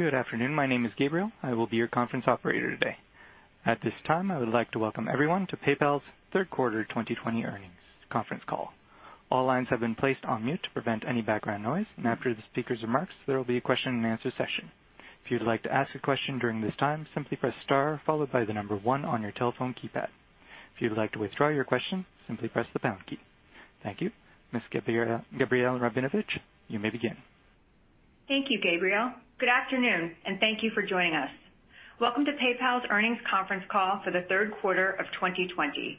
Good afternoon. My name is Gabriel. I will be your conference operator today. At this time, I would like to welcome everyone to PayPal's Q3 2020 earnings conference call. All lines have been placed on mute to prevent any background noise, and after the speaker's remarks, there will be a question-and-answer session. If you'd like to ask a question during this time, simply press star followed by the number 1 on your telephone keypad. If you'd like to withdraw your question, simply press the pound key. Thank you. Ms. Gabrielle Rabinovitch, you may begin. Thank you, Gabriel. Good afternoon, and thank you for joining us. Welcome to PayPal's earnings conference call for the third quarter of 2020.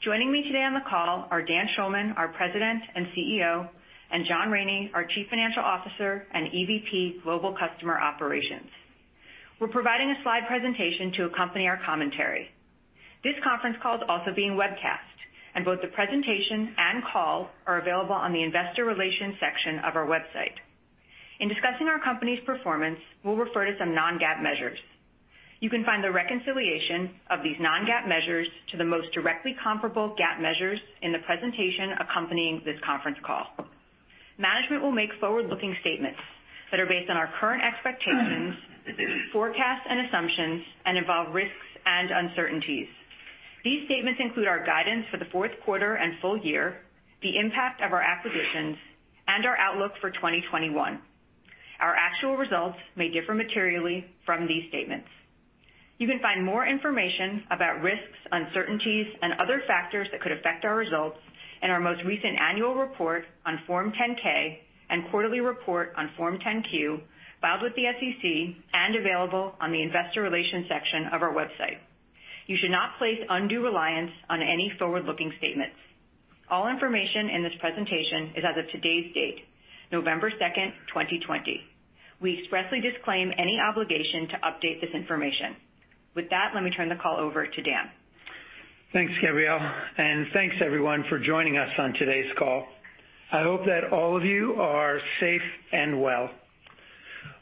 Joining me today on the call are Dan Schulman, our President and CEO, and John Rainey, our Chief Financial Officer and EVP, Global Customer Operations. We're providing a slide presentation to accompany our commentary. This conference call is also being webcast, and both the presentation and call are available on the investor relations section of our website. In discussing our company's performance, we'll refer to some non-GAAP measures. You can find the reconciliation of these non-GAAP measures to the most directly comparable GAAP measures in the presentation accompanying this conference call. Management will make forward-looking statements that are based on our current expectations, forecasts, and assumptions and involve risks and uncertainties. These statements include our guidance for the fourth quarter and full year, the impact of our acquisitions, and our outlook for 2021. Our actual results may differ materially from these statements. You can find more information about risks, uncertainties, and other factors that could affect our results in our most recent annual report on Form 10-K and quarterly report on Form 10-Q filed with the SEC and available on the investor relations section of our website. You should not place undue reliance on any forward-looking statements. All information in this presentation is as of today's date, November 2nd, 2020. We expressly disclaim any obligation to update this information. With that, let me turn the call over to Dan. Thanks, Gabrielle, and thanks everyone for joining us on today's call. I hope that all of you are safe and well.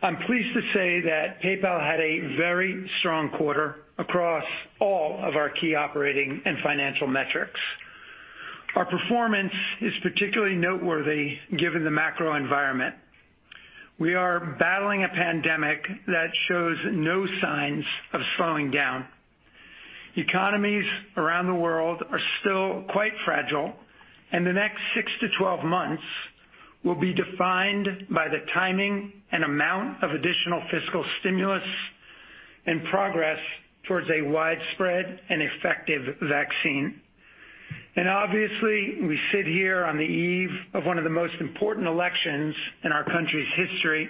I'm pleased to say that PayPal had a very strong quarter across all of our key operating and financial metrics. Our performance is particularly noteworthy given the macro environment. We are battling a pandemic that shows no signs of slowing down. The next six - 12 months will be defined by the timing and amount of additional fiscal stimulus and progress towards a widespread and effective vaccine. Obviously, we sit here on the eve of one of the most important elections in our country's history.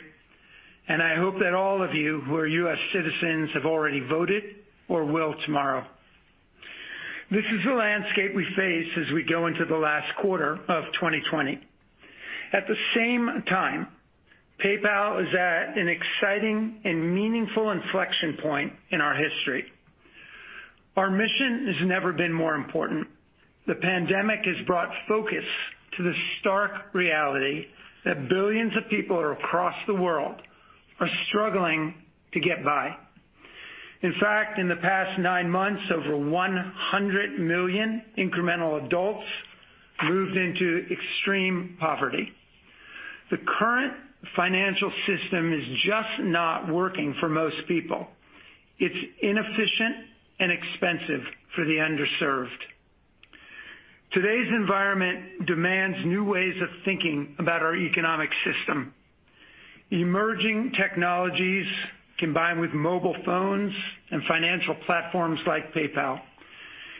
I hope that all of you who are U.S. citizens have already voted or will tomorrow. This is the landscape we face as we go into the last quarter of 2020. At the same time, PayPal is at an exciting and meaningful inflection point in our history. Our mission has never been more important. The pandemic has brought focus to the stark reality that billions of people across the world are struggling to get by. In fact, in the past nine months, over 100 million incremental adults moved into extreme poverty. The current financial system is just not working for most people. It's inefficient and expensive for the underserved. Today's environment demands new ways of thinking about our economic system. Emerging technologies combined with mobile phones and financial platforms like PayPal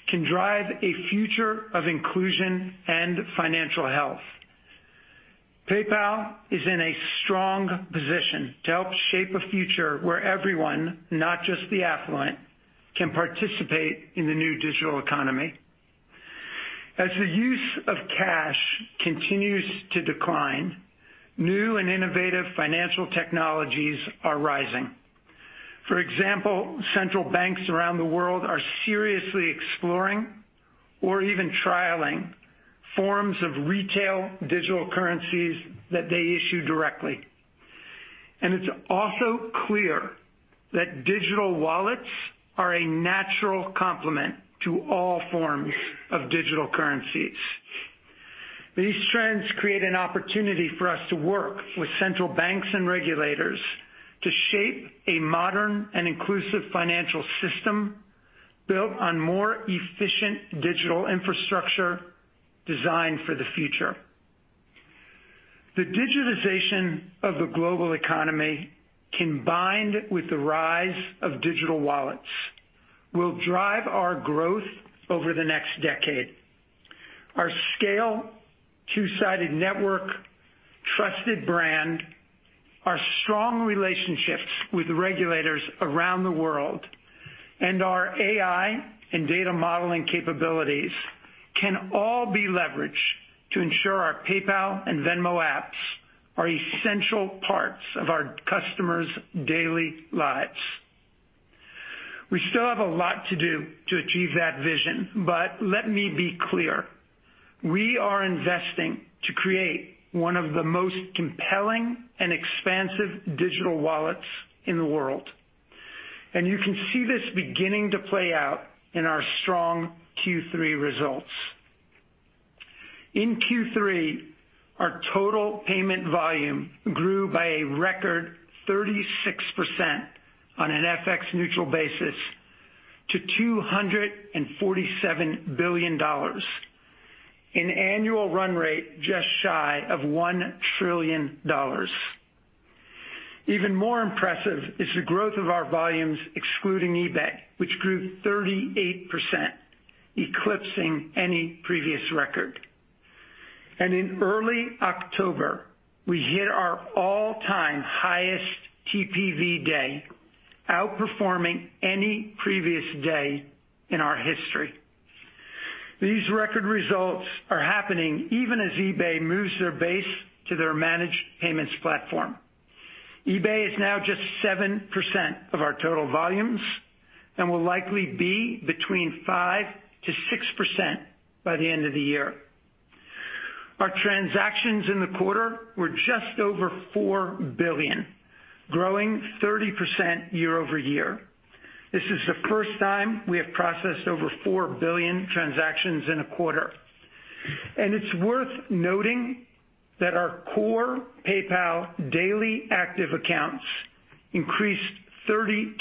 can drive a future of inclusion and financial health. PayPal is in a strong position to help shape a future where everyone, not just the affluent, can participate in the new digital economy. As the use of cash continues to decline, new and innovative financial technologies are rising. For example, central banks around the world are seriously exploring or even trialing forms of retail digital currencies that they issue directly. It's also clear that digital wallets are a natural complement to all forms of digital currencies. These trends create an opportunity for us to work with central banks and regulators to shape a modern and inclusive financial system built on more efficient digital infrastructure designed for the future. The digitization of the global economy, combined with the rise of digital wallets, will drive our growth over the next decade. Our scale, two-sided network, trusted brand, our strong relationships with regulators around the world, and our AI and data modeling capabilities can all be leveraged to ensure our PayPal and Venmo apps are essential parts of our customers' daily lives. We still have a lot to do to achieve that vision, but let me be clear, we are investing to create one of the most compelling and expansive digital wallets in the world. You can see this beginning to play out in our strong Q3 results. In Q3, our total payment volume grew by a record 36% on an FX-neutral basis to $247 billion. In annual run rate, just shy of $1 trillion. Even more impressive is the growth of our volumes excluding eBay, which grew 38%, eclipsing any previous record. In early October, we hit our all-time highest TPV day, outperforming any previous day in our history. These record results are happening even as eBay moves their base to their managed payments platform. eBay is now just 7% of our total volumes and will likely be between 5%-6% by the end of the year. Our transactions in the quarter were just over 4 billion, growing 30% year-over-year. This is the first time we have processed over 4 billion transactions in a quarter. It's worth noting that our core PayPal daily active accounts increased 32%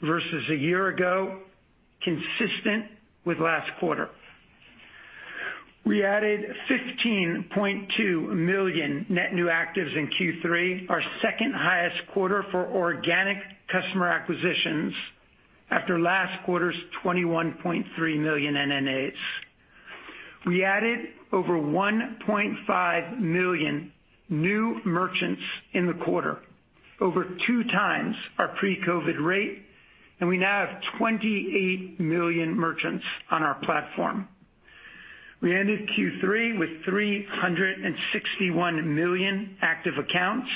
versus a year ago, consistent with last quarter. We added 15.2 million net new actives in Q3, our second-highest quarter for organic customer acquisitions after last quarter's 21.3 million NNAs. We added over 1.5 million new merchants in the quarter, over two times our pre-COVID rate, and we now have 28 million merchants on our platform. We ended Q3 with 361 million active accounts,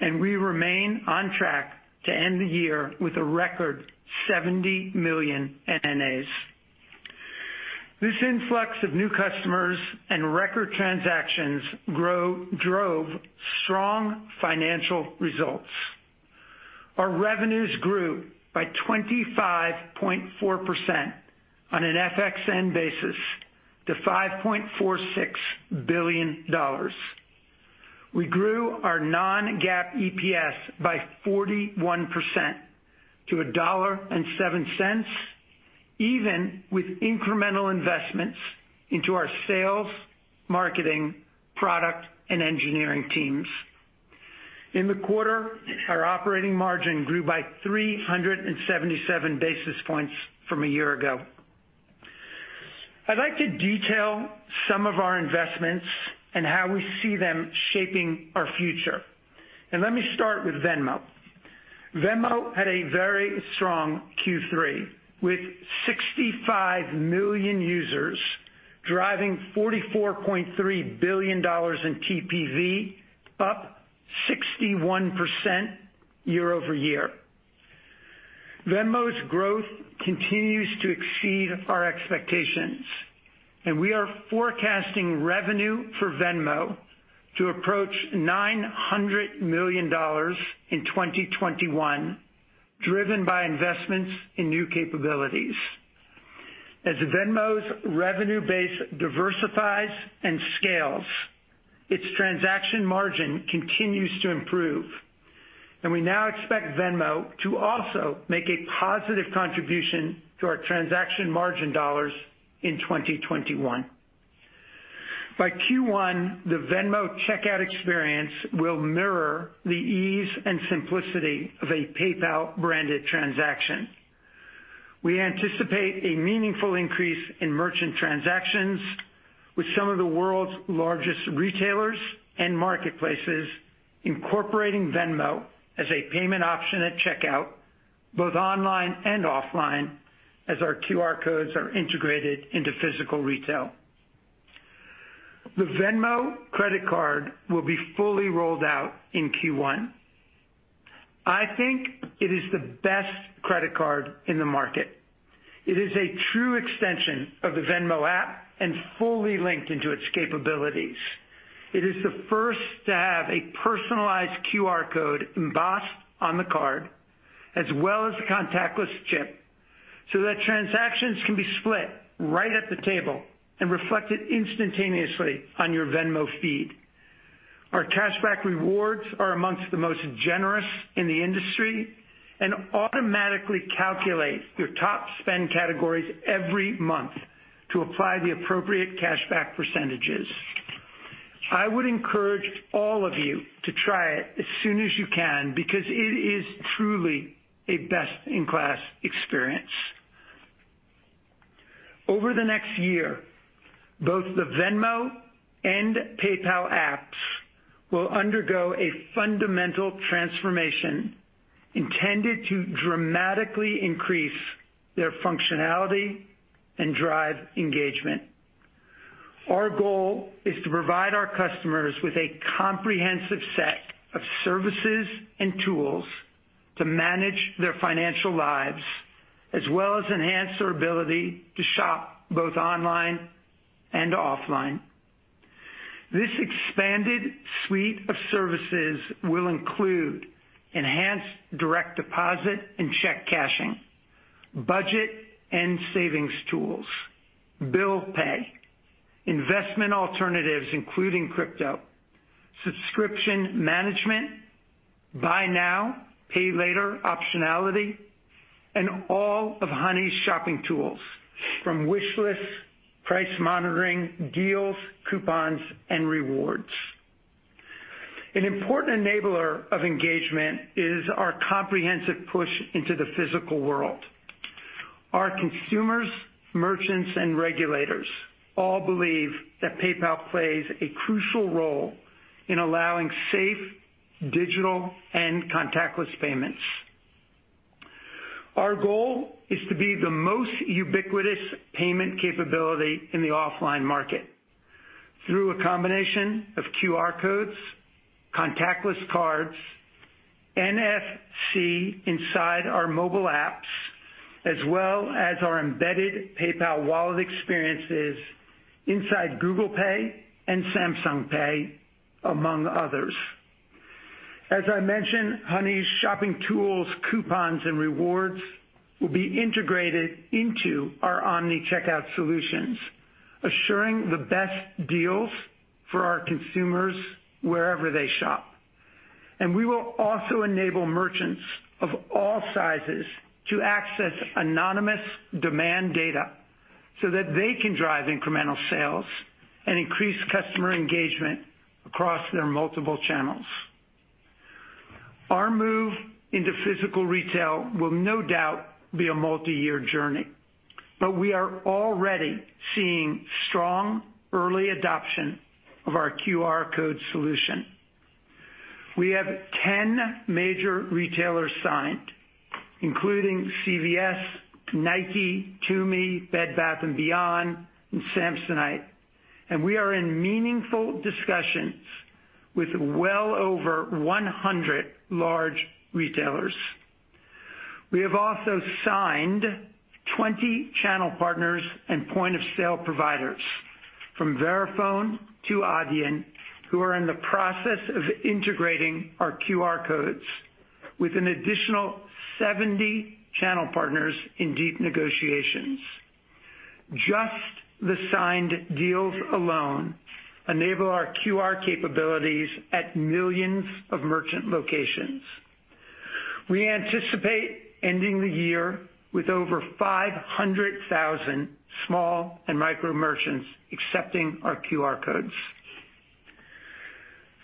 and we remain on track to end the year with a record $70 million NNAs. This influx of new customers and record transactions drove strong financial results. Our revenues grew by 25.4% on an FXN basis to $5.46 billion. We grew our non-GAAP EPS by 41% to $1.07, even with incremental investments into our sales, marketing, product, and engineering teams. In the quarter, our operating margin grew by 377 basis points from a year ago. I'd like to detail some of our investments and how we see them shaping our future, and let me start with Venmo. Venmo had a very strong Q3, with 65 million users driving $44.3 billion in TPV, up 61% year-over-year. Venmo's growth continues to exceed our expectations, and we are forecasting revenue for Venmo to approach $900 million in 2021, driven by investments in new capabilities. As Venmo's revenue base diversifies and scales, its transaction margin continues to improve, and we now expect Venmo to also make a positive contribution to our transaction margin dollars in 2021. By Q1, the Venmo checkout experience will mirror the ease and simplicity of a PayPal-branded transaction. We anticipate a meaningful increase in merchant transactions with some of the world's largest retailers and marketplaces incorporating Venmo as a payment option at checkout, both online and offline, as our QR codes are integrated into physical retail. The Venmo Credit Card will be fully rolled out in Q1. I think it is the best credit card in the market. It is a true extension of the Venmo app and fully linked into its capabilities. It is the first to have a personalized QR code embossed on the card, as well as a contactless chip, so that transactions can be split right at the table and reflected instantaneously on your Venmo feed. Our cashback rewards are amongst the most generous in the industry and automatically calculate your top spend categories every month to apply the appropriate cashback percentages. I would encourage all of you to try it as soon as you can, because it is truly a best-in-class experience. Over the next year, both the Venmo and PayPal apps will undergo a fundamental transformation intended to dramatically increase their functionality and drive engagement. Our goal is to provide our customers with a comprehensive set of services and tools to manage their financial lives, as well as enhance their ability to shop both online and offline. This expanded suite of services will include enhanced direct deposit and check cashing, budget and savings tools, bill pay, investment alternatives including crypto, subscription management, buy now, pay later optionality, and all of Honey's shopping tools from wish lists, price monitoring, deals, coupons, and rewards. An important enabler of engagement is our comprehensive push into the physical world. Our consumers, merchants, and regulators all believe that PayPal plays a crucial role in allowing safe, digital, and contactless payments. Our goal is to be the most ubiquitous payment capability in the offline market through a combination of QR codes, contactless cards, NFC inside our mobile apps, as well as our embedded PayPal wallet experiences inside Google Pay and Samsung Pay, among others. As I mentioned, Honey's shopping tools, coupons, and rewards will be integrated into our omni-checkout solutions, assuring the best deals for our consumers wherever they shop. We will also enable merchants of all sizes to access anonymous demand data so that they can drive incremental sales and increase customer engagement across their multiple channels. Our move into physical retail will no doubt be a multi-year journey, but we are already seeing strong early adoption of our QR code solution. We have 10 major retailers signed, including CVS, Nike, TUMI, Bed Bath & Beyond, and Samsonite, and we are in meaningful discussions with well over 100 large retailers. We have also signed 20 channel partners and point-of-sale providers, from Verifone to Adyen, who are in the process of integrating our QR codes with an additional 70 channel partners in deep negotiations. Just the signed deals alone enable our QR capabilities at millions of merchant locations. We anticipate ending the year with over 500,000 small and micro merchants accepting our QR codes.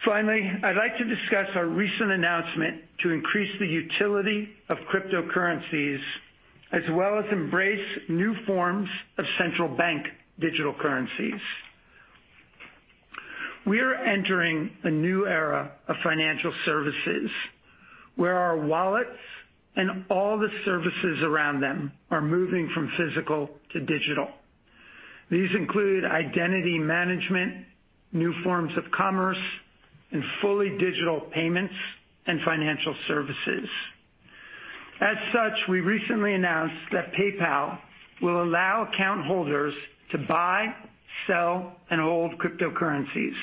Finally, I'd like to discuss our recent announcement to increase the utility of cryptocurrencies, as well as embrace new forms of central bank digital currencies. We are entering a new era of financial services where our wallets and all the services around them are moving from physical to digital. These include identity management, new forms of commerce, and fully digital payments and financial services. We recently announced that PayPal will allow account holders to buy, sell, and hold cryptocurrencies,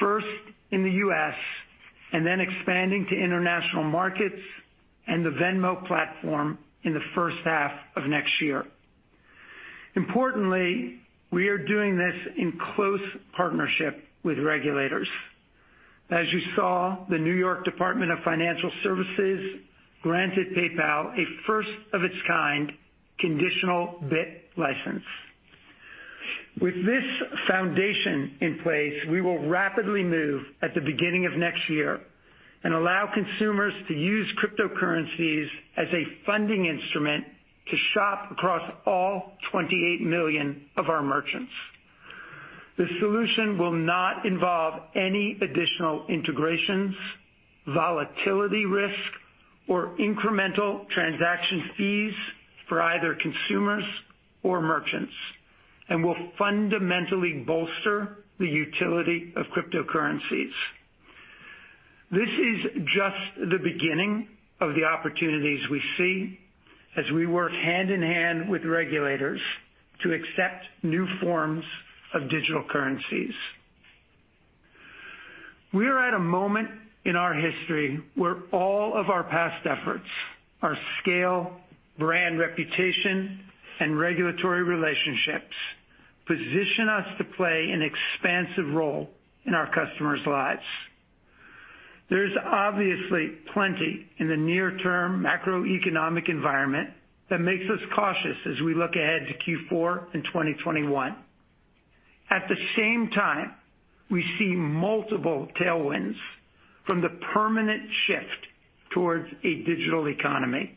first in the U.S., and then expanding to international markets and the Venmo platform in the first half of next year. Importantly, we are doing this in close partnership with regulators. As you saw, the New York State Department of Financial Services granted PayPal a first of its kind conditional BitLicense. With this foundation in place, we will rapidly move at the beginning of next year and allow consumers to use cryptocurrencies as a funding instrument to shop across all 28 million of our merchants. The solution will not involve any additional integrations, volatility risk, or incremental transaction fees for either consumers or merchants, and will fundamentally bolster the utility of cryptocurrencies. This is just the beginning of the opportunities we see as we work hand-in-hand with regulators to accept new forms of digital currencies. We are at a moment in our history where all of our past efforts, our scale, brand reputation, and regulatory relationships position us to play an expansive role in our customers' lives. There's obviously plenty in the near-term macroeconomic environment that makes us cautious as we look ahead to Q4 in 2021. At the same time, we see multiple tailwinds from the permanent shift towards a digital economy.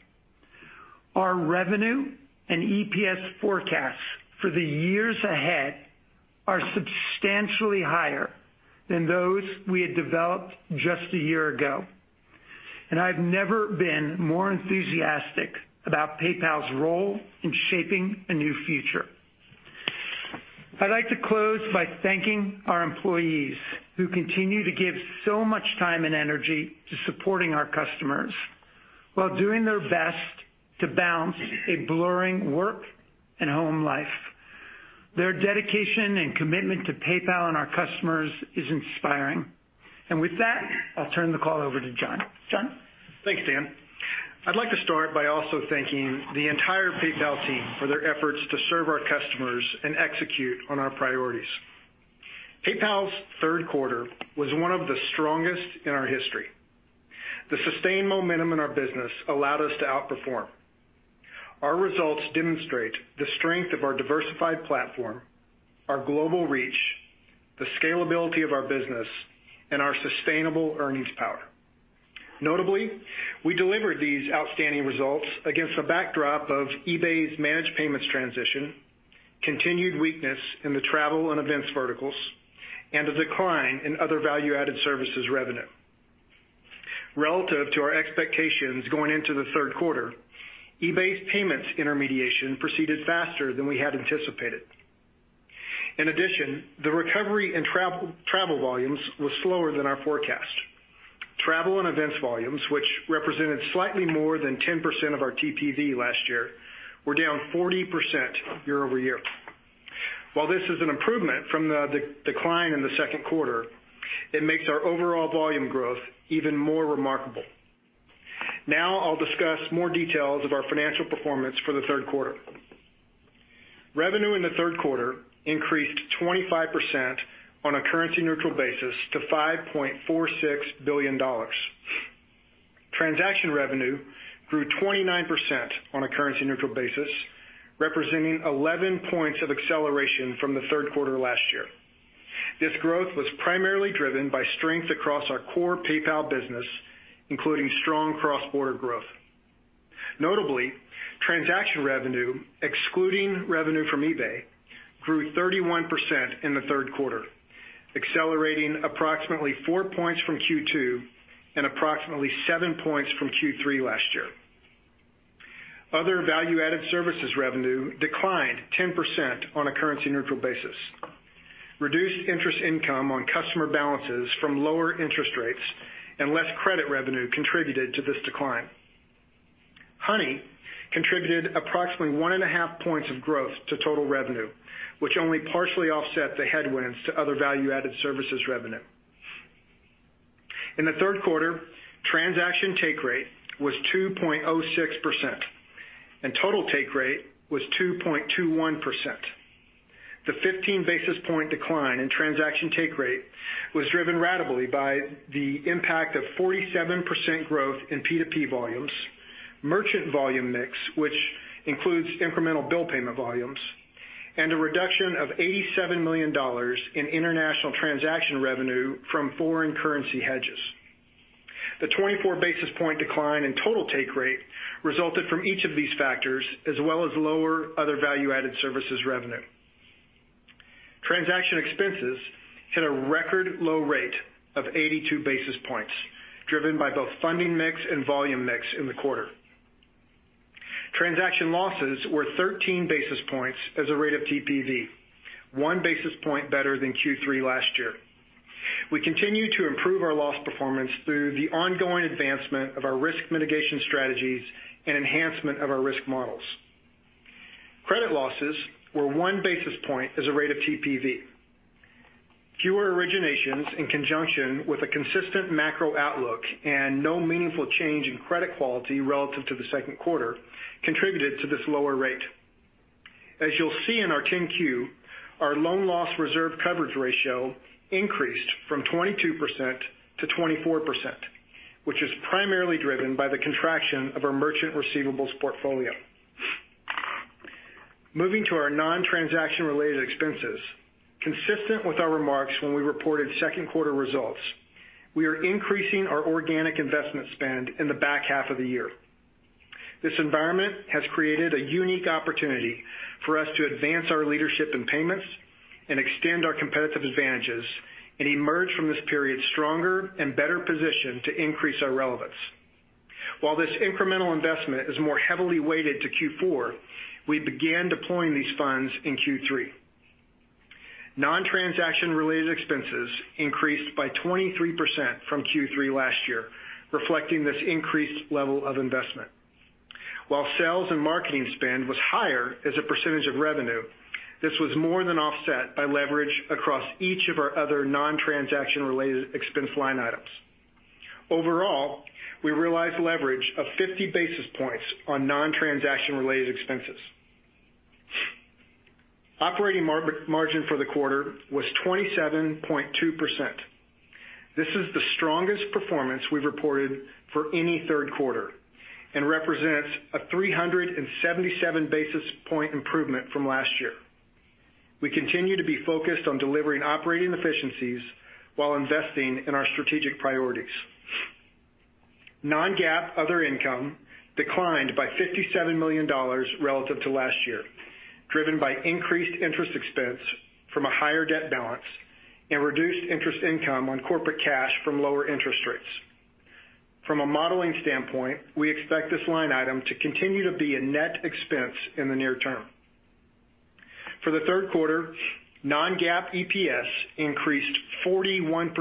Our revenue and EPS forecasts for the years ahead are substantially higher than those we had developed just a year ago. I've never been more enthusiastic about PayPal's role in shaping a new future. I'd like to close by thanking our employees who continue to give so much time and energy to supporting our customers while doing their best to balance a blurring work and home life. Their dedication and commitment to PayPal and our customers is inspiring. With that, I'll turn the call over to John. John? Thanks, Dan. I'd like to start by also thanking the entire PayPal team for their efforts to serve our customers and execute on our priorities. PayPal's third quarter was one of the strongest in our history. The sustained momentum in our business allowed us to outperform. Our results demonstrate the strength of our diversified platform, our global reach, the scalability of our business, and our sustainable earnings power. Notably, we delivered these outstanding results against a backdrop of eBay's managed payments transition, continued weakness in the travel and events verticals, and a decline in other value-added services revenue. Relative to our expectations going into the third quarter, eBay's payments intermediation proceeded faster than we had anticipated. In addition, the recovery in travel volumes was slower than our forecast. Travel and events volumes, which represented slightly more than 10% of our TPV last year, were down 40% year-over-year. While this is an improvement from the decline in the second quarter, it makes our overall volume growth even more remarkable. Now I'll discuss more details of our financial performance for the third quarter. Revenue in Q3 increased 25% on a currency-neutral basis to $5.46 billion. Transaction revenue grew 29% on a currency-neutral basis, representing 11 points of acceleration from the third quarter last year. This growth was primarily driven by strength across our core PayPal business, including strong cross-border growth. Notably, transaction revenue, excluding revenue from eBay, grew 31% in the third quarter, accelerating approximately four points from Q2 and approximately seven points from Q3 last year. Other value-added services revenue declined 10% on a currency-neutral basis. Reduced interest income on customer balances from lower interest rates and less credit revenue contributed to this decline. Honey contributed approximately one and a half points of growth to total revenue, which only partially offset the headwinds to other value-added services revenue. In the third quarter, transaction take rate was 2.06%, and total take rate was 2.21%. The 15 basis point decline in transaction take rate was driven ratably by the impact of 47% growth in P2P volumes, merchant volume mix, which includes incremental bill payment volumes, and a reduction of $87 million in international transaction revenue from foreign currency hedges. The 24 basis point decline in total take rate resulted from each of these factors, as well as lower other value-added services revenue. Transaction expenses hit a record low rate of 82 basis points, driven by both funding mix and volume mix in the quarter. Transaction losses were 13 basis points as a rate of TPV, one basis point better than Q3 last year. We continue to improve our loss performance through the ongoing advancement of our risk mitigation strategies and enhancement of our risk models. Credit losses were one basis point as a rate of TPV. Fewer originations in conjunction with a consistent macro outlook and no meaningful change in credit quality relative to the second quarter contributed to this lower rate. As you'll see in our 10-Q, our loan loss reserve coverage ratio increased from 22% - 24%, which is primarily driven by the contraction of our merchant receivables portfolio. Moving to our non-transaction related expenses. Consistent with our remarks when we reported second quarter results, we are increasing our organic investment spend in the back half of the year. This environment has created a unique opportunity for us to advance our leadership in payments and extend our competitive advantages and emerge from this period stronger and better positioned to increase our relevance. While this incremental investment is more heavily weighted to Q4, we began deploying these funds in Q3. Non-transaction related expenses increased by 23% from Q3 last year, reflecting this increased level of investment. While sales and marketing spend was higher as a percentage of revenue, this was more than offset by leverage across each of our other non-transaction related expense line items. Overall, we realized leverage of 50 basis points on non-transaction related expenses. Operating margin for the quarter was 27.2%. This is the strongest performance we've reported for any third quarter and represents a 377 basis point improvement from last year. We continue to be focused on delivering operating efficiencies while investing in our strategic priorities. Non-GAAP other income declined by $57 million relative to last year, driven by increased interest expense from a higher debt balance and reduced interest income on corporate cash from lower interest rates. From a modeling standpoint, we expect this line item to continue to be a net expense in the near term. For the third quarter, non-GAAP EPS increased 41%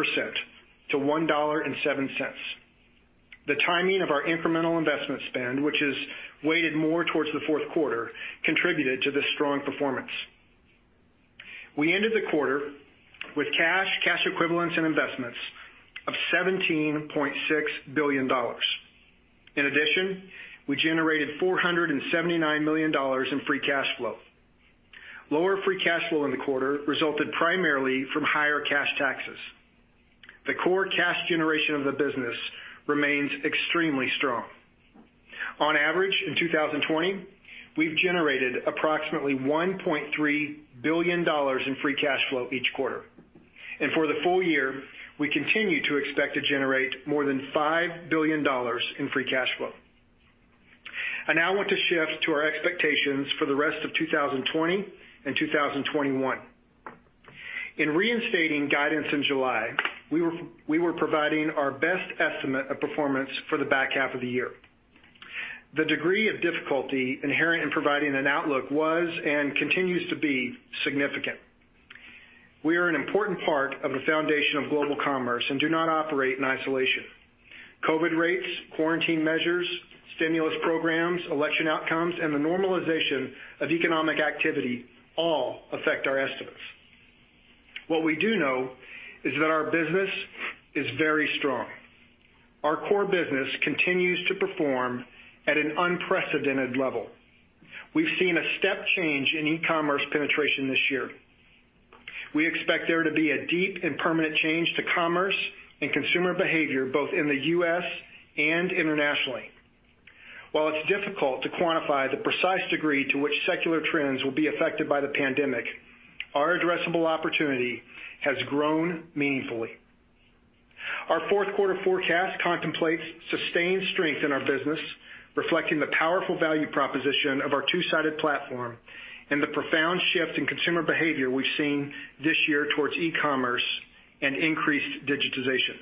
- $1.07. The timing of our incremental investment spend, which is weighted more towards the fourth quarter, contributed to this strong performance. We ended the quarter with cash equivalents, and investments of $17.6 billion. In addition, we generated $479 million in free cash flow. Lower free cash flow in the quarter resulted primarily from higher cash taxes. The core cash generation of the business remains extremely strong. On average, in 2020, we've generated approximately $1.3 billion in free cash flow each quarter. For the full year, we continue to expect to generate more than $5 billion in free cash flow. I now want to shift to our expectations for the rest of 2020 and 2021. In reinstating guidance in July, we were providing our best estimate of performance for the back half of the year. The degree of difficulty inherent in providing an outlook was, and continues to be, significant. We are an important part of the foundation of global commerce and do not operate in isolation. COVID rates, quarantine measures, stimulus programs, election outcomes, and the normalization of economic activity all affect our estimates. What we do know is that our business is very strong. Our core business continues to perform at an unprecedented level. We've seen a step change in e-commerce penetration this year. We expect there to be a deep and permanent change to commerce and consumer behavior, both in the U.S. and internationally. While it's difficult to quantify the precise degree to which secular trends will be affected by the pandemic, our addressable opportunity has grown meaningfully. Our fourth quarter forecast contemplates sustained strength in our business, reflecting the powerful value proposition of our two-sided platform and the profound shift in consumer behavior we've seen this year towards e-commerce and increased digitization.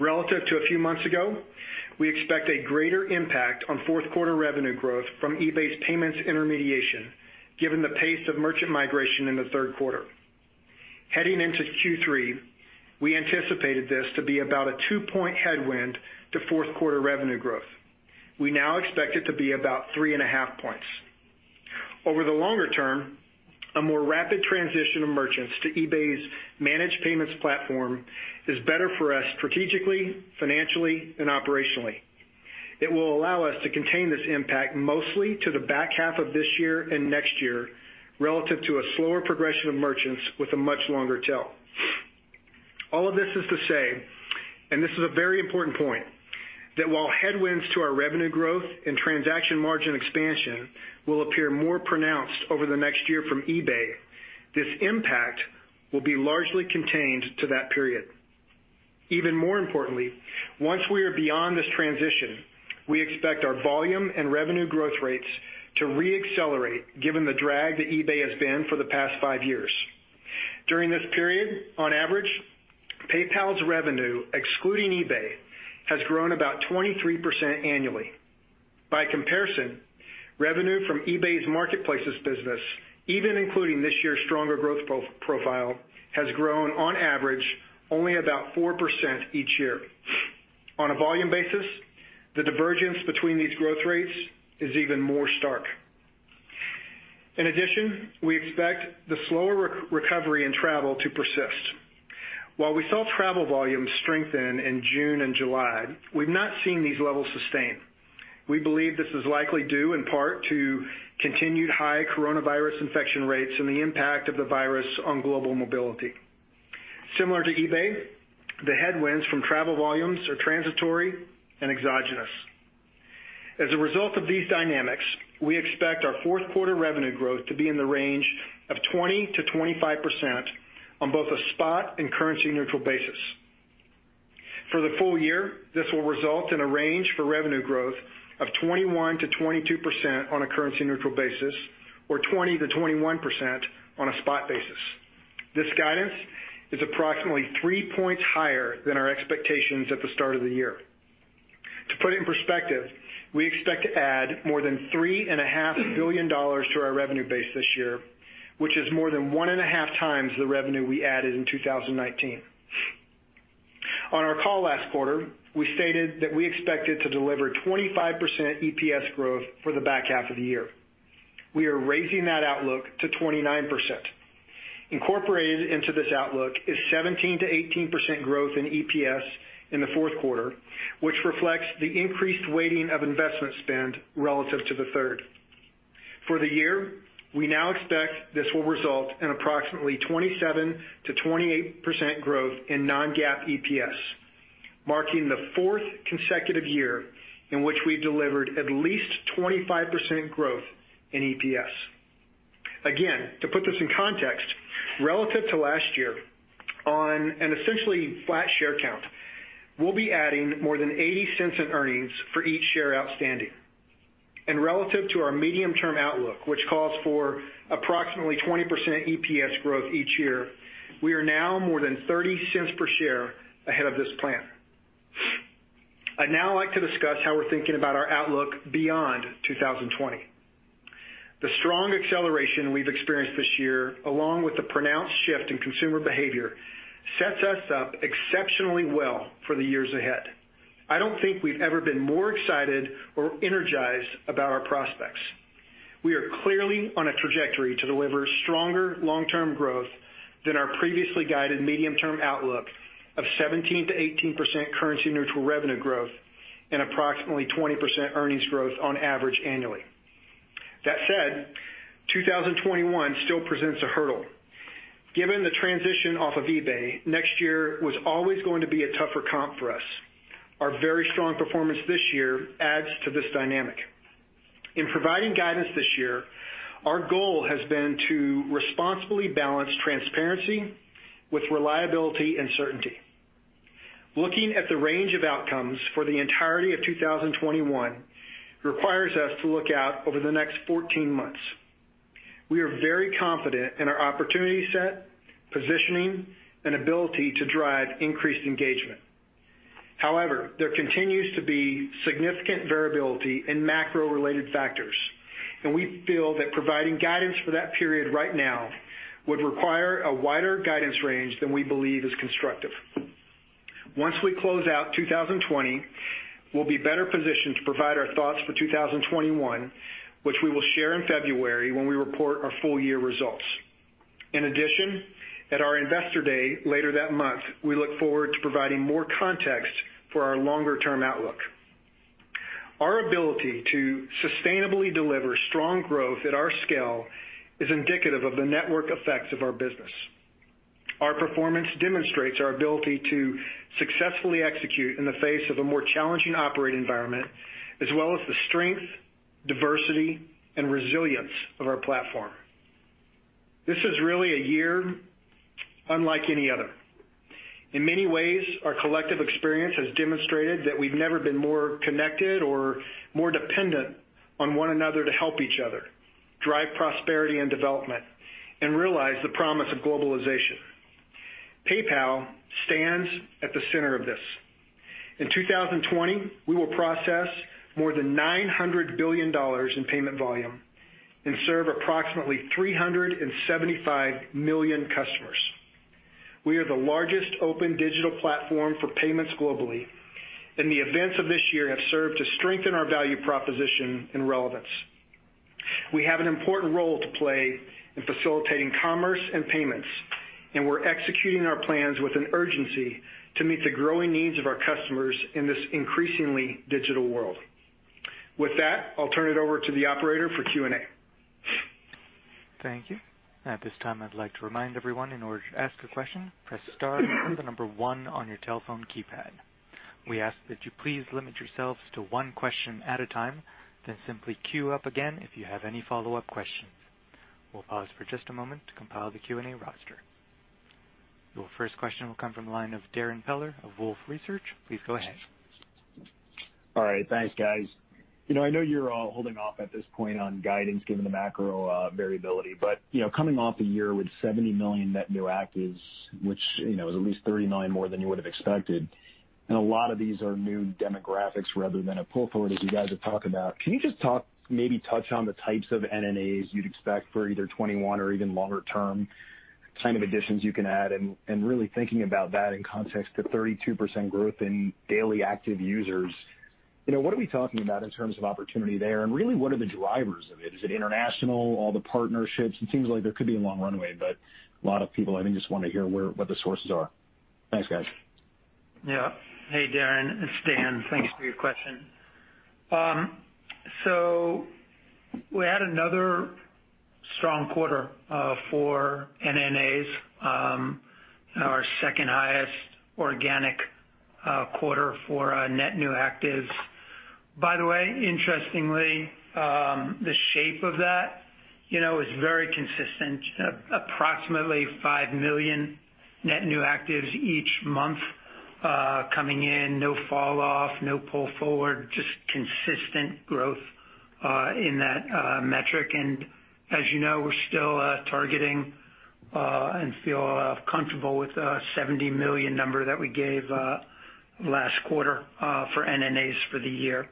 Relative to a few months ago, we expect a greater impact on fourth quarter revenue growth from eBay's payments intermediation, given the pace of merchant migration in the third quarter. Heading into Q3, we anticipated this to be about a 2-point headwind to fourth quarter revenue growth. We now expect it to be about 3.5 points. Over the longer term, a more rapid transition of merchants to eBay's managed payments platform is better for us strategically, financially, and operationally. It will allow us to contain this impact mostly to the back half of this year and next year, relative to a slower progression of merchants with a much longer tail. All of this is to say, and this is a very important point, that while headwinds to our revenue growth and transaction margin expansion will appear more pronounced over the next year from eBay, this impact will be largely contained to that period. Even more importantly, once we are beyond this transition, we expect our volume and revenue growth rates to re-accelerate given the drag that eBay has been for the past five years. During this period, on average, PayPal's revenue, excluding eBay, has grown about 23% annually. By comparison, revenue from eBay's marketplaces business, even including this year's stronger growth profile, has grown on average only about 4% each year. On a volume basis, the divergence between these growth rates is even more stark. In addition, we expect the slower recovery in travel to persist. While we saw travel volumes strengthen in June and July, we've not seen these levels sustain. We believe this is likely due in part to continued high coronavirus infection rates and the impact of the virus on global mobility. Similar to eBay, the headwinds from travel volumes are transitory and exogenous. As a result of these dynamics, we expect our Q4 revenue growth to be in the range of 20%-25% on both a spot and currency-neutral basis. For the full year, this will result in a range for revenue growth of 21%-22% on a currency-neutral basis, or 20%-21% on a spot basis. This guidance is approximately three points higher than our expectations at the start of the year. To put it in perspective, we expect to add more than $3.5 billion to our revenue base this year, which is more than one and a half times the revenue we added in 2019. On our call last quarter, we stated that we expected to deliver 25% EPS growth for the back half of the year. We are raising that outlook to 29%. Incorporated into this outlook is 17%-18% growth in EPS in the fourth quarter, which reflects the increased weighting of investment spend relative to the third. For the year, we now expect this will result in approximately 27%-28% growth in non-GAAP EPS, marking the fourth consecutive year in which we've delivered at least 25% growth in EPS. Again, to put this in context, relative to last year, on an essentially flat share count, we'll be adding more than $0.80 in earnings for each share outstanding. Relative to our medium-term outlook, which calls for approximately 20% EPS growth each year, we are now more than $0.30 per share ahead of this plan. I'd now like to discuss how we're thinking about our outlook beyond 2020. The strong acceleration we've experienced this year, along with the pronounced shift in consumer behavior, sets us up exceptionally well for the years ahead. I don't think we've ever been more excited or energized about our prospects. We are clearly on a trajectory to deliver stronger long-term growth than our previously guided medium-term outlook of 17%-18% currency-neutral revenue growth and approximately 20% earnings growth on average annually. That said, 2021 still presents a hurdle. Given the transition off of eBay, next year was always going to be a tougher comp for us. Our very strong performance this year adds to this dynamic. In providing guidance this year, our goal has been to responsibly balance transparency with reliability and certainty. Looking at the range of outcomes for the entirety of 2021 requires us to look out over the next 14 months. We are very confident in our opportunity set, positioning, and ability to drive increased engagement. However, there continues to be significant variability in macro-related factors, and we feel that providing guidance for that period right now would require a wider guidance range than we believe is constructive. Once we close out 2020, we'll be better positioned to provide our thoughts for 2021, which we will share in February when we report our full-year results. In addition, at our Investor Day later that month, we look forward to providing more context for our longer-term outlook. Our ability to sustainably deliver strong growth at our scale is indicative of the network effects of our business. Our performance demonstrates our ability to successfully execute in the face of a more challenging operating environment, as well as the strength, diversity, and resilience of our platform. This is really a year unlike any other. In many ways, our collective experience has demonstrated that we've never been more connected or more dependent on one another to help each other drive prosperity and development and realize the promise of globalization. PayPal stands at the center of this. In 2020, we will process more than $900 billion in payment volume and serve approximately 375 million customers. We are the largest open digital platform for payments globally, and the events of this year have served to strengthen our value proposition and relevance. We have an important role to play in facilitating commerce and payments, and we're executing our plans with an urgency to meet the growing needs of our customers in this increasingly digital world. With that, I'll turn it over to the operator for Q&A. Thank you. At this time, I'd like to remind everyone, in order to ask a question, press star or the number 1 on your telephone keypad. We ask that you please limit yourselves to one question at a time, then simply queue up again if you have any follow-up questions. We'll pause for just a moment to compile the Q&A roster. Your first question will come from the line of Darrin Peller of Wolfe Research. Please go ahead. All right. Thanks, guys. Coming off a year with $70 million net new actives, which is at least $30 million more than you would have expected, and a lot of these are new demographics rather than a pull-forward as you guys have talked about. Can you just maybe touch on the types of NNAs you'd expect for either 2021 or even longer-term kind of additions you can add? Really thinking about that in context to 32% growth in daily active users. What are we talking about in terms of opportunity there, and really what are the drivers of it? Is it international, all the partnerships? A lot of people, I think, just want to hear what the sources are. Thanks, guys. Hey, Darrin. It's Dan. Thanks for your question. We had another strong quarter for NNAs, our second highest organic quarter for net new actives. By the way, interestingly, the shape of that is very consistent. Approximately 5 million net new actives each month coming in, no fall off, no pull forward, just consistent growth in that metric. As you know, we're still targeting and feel comfortable with the 70 million number that we gave last quarter for NNAs for the year.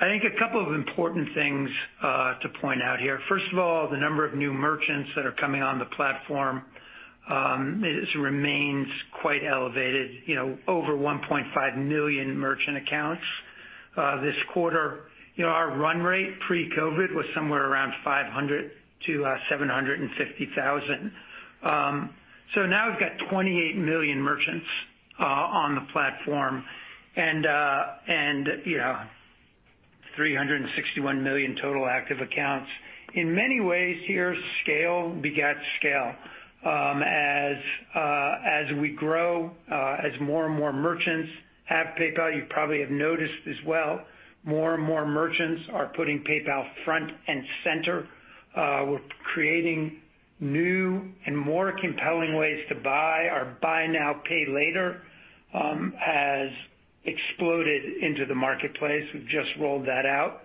I think a couple of important things to point out here. First of all, the number of new merchants that are coming on the platform remains quite elevated, over 1.5 million merchant accounts this quarter. Our run rate pre-COVID was somewhere around 500,000 to 750,000. Now we've got 28 million merchants on the platform, and 361 million total active accounts. In many ways here, scale begets scale. As we grow, as more and more merchants have PayPal, you probably have noticed as well, more and more merchants are putting PayPal front and center. We're creating new and more compelling ways to buy. Our buy now, pay later has exploded into the marketplace. We've just rolled that out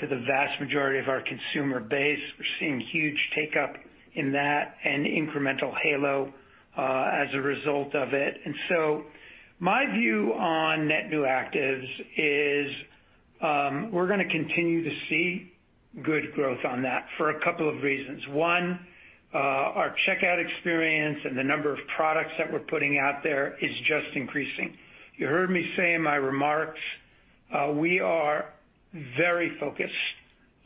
to the vast majority of our consumer base. We're seeing huge take-up in that and incremental halo as a result of it. My view on net new actives is We're going to continue to see good growth on that for a couple of reasons. One, our checkout experience and the number of products that we're putting out there is just increasing. You heard me say in my remarks we are very focused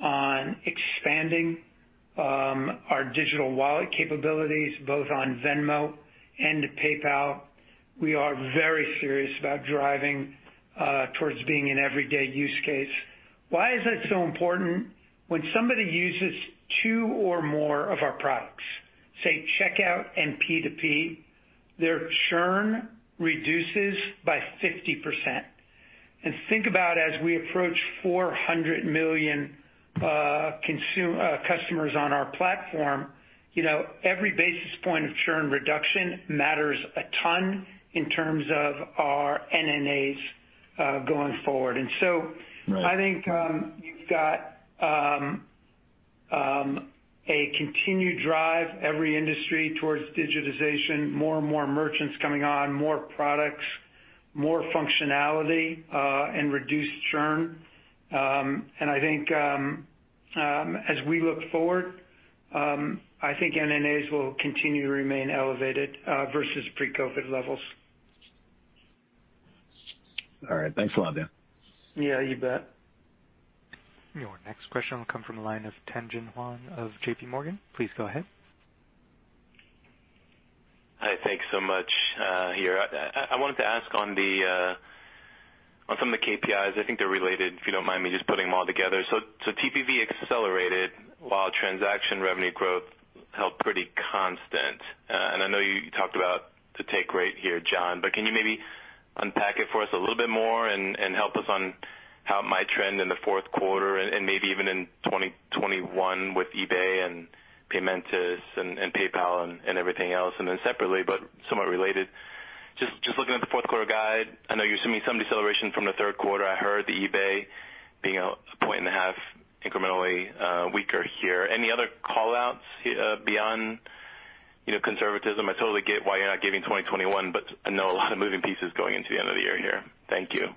on expanding our digital wallet capabilities both on Venmo and PayPal. We are very serious about driving towards being an everyday use case. Why is that so important? When somebody uses two or more of our products, say checkout and P2P, their churn reduces by 50%. Think about as we approach 400 million customers on our platform, every basis point of churn reduction matters a ton in terms of our NNAs going forward. Right. I think you've got a continued drive, every industry, towards digitization, more and more merchants coming on, more products, more functionality, and reduced churn. I think as we look forward, I think NNAs will continue to remain elevated versus pre-COVID levels. All right. Thanks a lot, Dan. Yeah, you bet. Your next question will come from the line of Tien-Tsin Huang of J.P. Morgan. Please go ahead. Hi. Thanks so much. Here, I wanted to ask on some of the KPIs, I think they're related, if you don't mind me just putting them all together. TPV accelerated while transaction revenue growth held pretty constant. I know you talked about the take rate here, John, but can you maybe unpack it for us a little bit more and help us on how it might trend in the fourth quarter and maybe even in 2021 with eBay and Paymentus and PayPal and everything else? Separately, but somewhat related, just looking at the fourth quarter guide, I know you're assuming some deceleration from the third quarter. I heard the eBay being a point and a half incrementally weaker here. Any other call-outs beyond conservatism? I totally get why you're not giving 2021, but I know a lot of moving pieces going into the end of the year here. Thank you.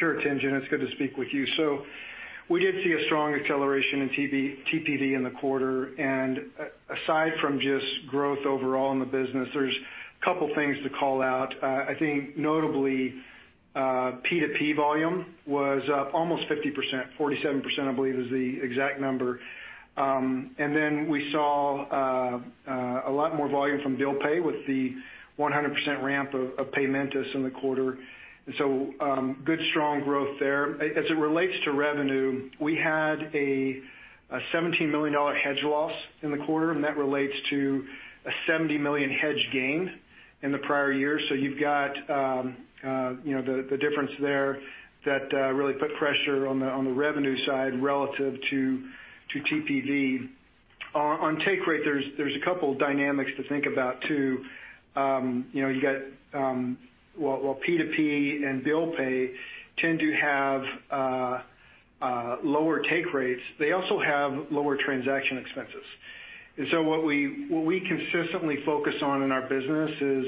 Sure, Tien-Tsin. It's good to speak with you. We did see a strong acceleration in TPV in the quarter. Aside from just growth overall in the business, there's a couple things to call out. I think notably, P2P volume was up almost 50%, 47%, I believe is the exact number. We saw a lot more volume from Bill Pay with the 100% ramp of Paymentus in the quarter. Good strong growth there. As it relates to revenue, we had a $17 million hedge loss in the quarter, and that relates to a $70 million hedge gain in the prior year. You've got the difference there that really put pressure on the revenue side relative to TPV. On take rate, there's a couple of dynamics to think about too. While P2P and Bill Pay tend to have lower take rates, they also have lower transaction expenses. What we consistently focus on in our business is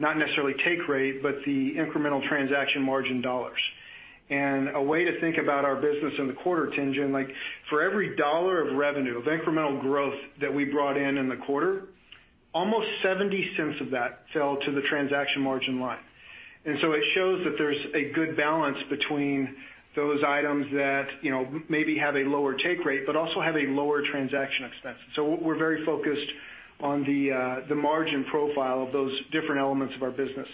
not necessarily take rate, but the incremental transaction margin dollars. A way to think about our business in the quarter, Tien-Tsin, like for every $1 of revenue of incremental growth that we brought in in the quarter, almost $0.70 of that fell to the transaction margin line. It shows that there's a good balance between those items that maybe have a lower take rate, but also have a lower transaction expense. We're very focused on the margin profile of those different elements of our business.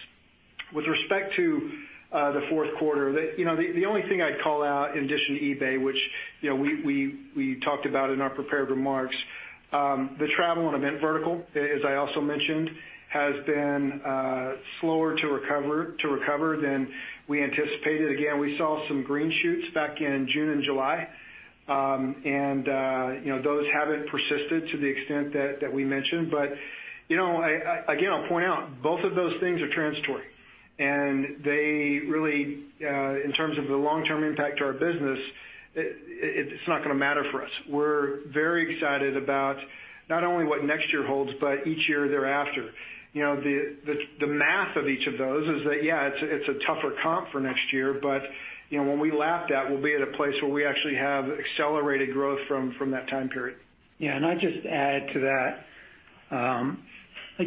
With respect to Q4, the only thing I'd call out in addition to eBay, which we talked about in our prepared remarks, the travel and event vertical, as I also mentioned, has been slower to recover than we anticipated. Again, we saw some green shoots back in June and July, and those haven't persisted to the extent that we mentioned. Again, I'll point out both of those things are transitory, and they really, in terms of the long-term impact to our business, it's not going to matter for us. We're very excited about not only what next year holds, but each year thereafter. The math of each of those is that, yeah, it's a tougher comp for next year, when we lap that, we'll be at a place where we actually have accelerated growth from that time period. Yeah. I'd just add to that,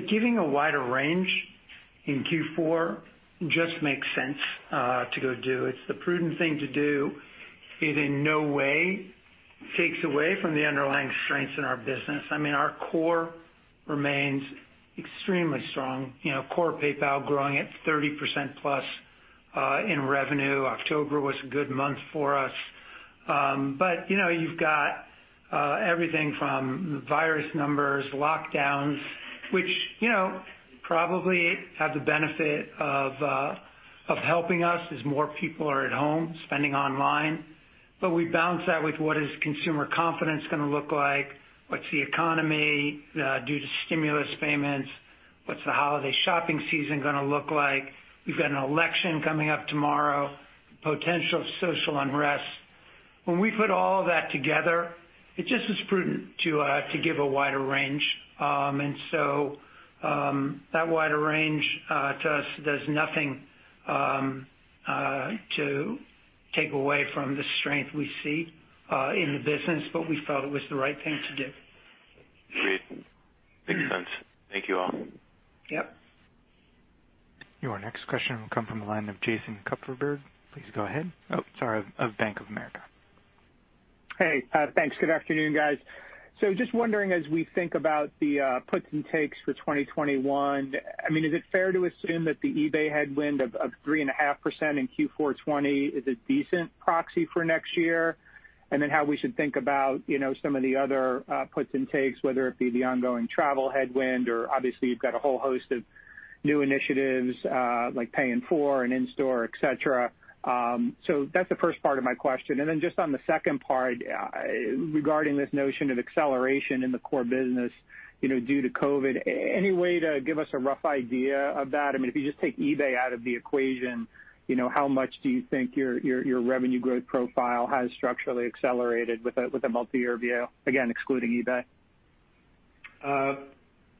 giving a wider range in Q4 just makes sense to go do. It's the prudent thing to do. It in no way takes away from the underlying strengths in our business. I mean, our core remains extremely strong. Core PayPal growing at 30% plus in revenue. October was a good month for us. You've got everything from virus numbers, lockdowns, which probably have the benefit of helping us as more people are at home spending online. We balance that with what is consumer confidence going to look like? What's the economy do to stimulus payments? What's the holiday shopping season going to look like? We've got an election coming up tomorrow, potential social unrest. When we put all of that together, it just is prudent to give a wider range. That wider range, to us, does nothing to take away from the strength we see in the business, but we felt it was the right thing to do. Great. Makes sense. Thank you all. Yep. Your next question will come from the line of Jason Kupferberg. Please go ahead. Oh, sorry, of Bank of America. Hey. Thanks. Good afternoon, guys. Just wondering, as we think about the puts and takes for 2021, is it fair to assume that the eBay headwind of 3.5% in Q4 2020 is a decent proxy for next year? How we should think about some of the other puts and takes, whether it be the ongoing travel headwind or obviously you've got a whole host of new initiatives like Pay in 4 and in-store, et cetera. That's the first part of my question. Just on the second part, regarding this notion of acceleration in the core business due to COVID, any way to give us a rough idea of that? If you just take eBay out of the equation, how much do you think your revenue growth profile has structurally accelerated with a multi-year view, again, excluding eBay?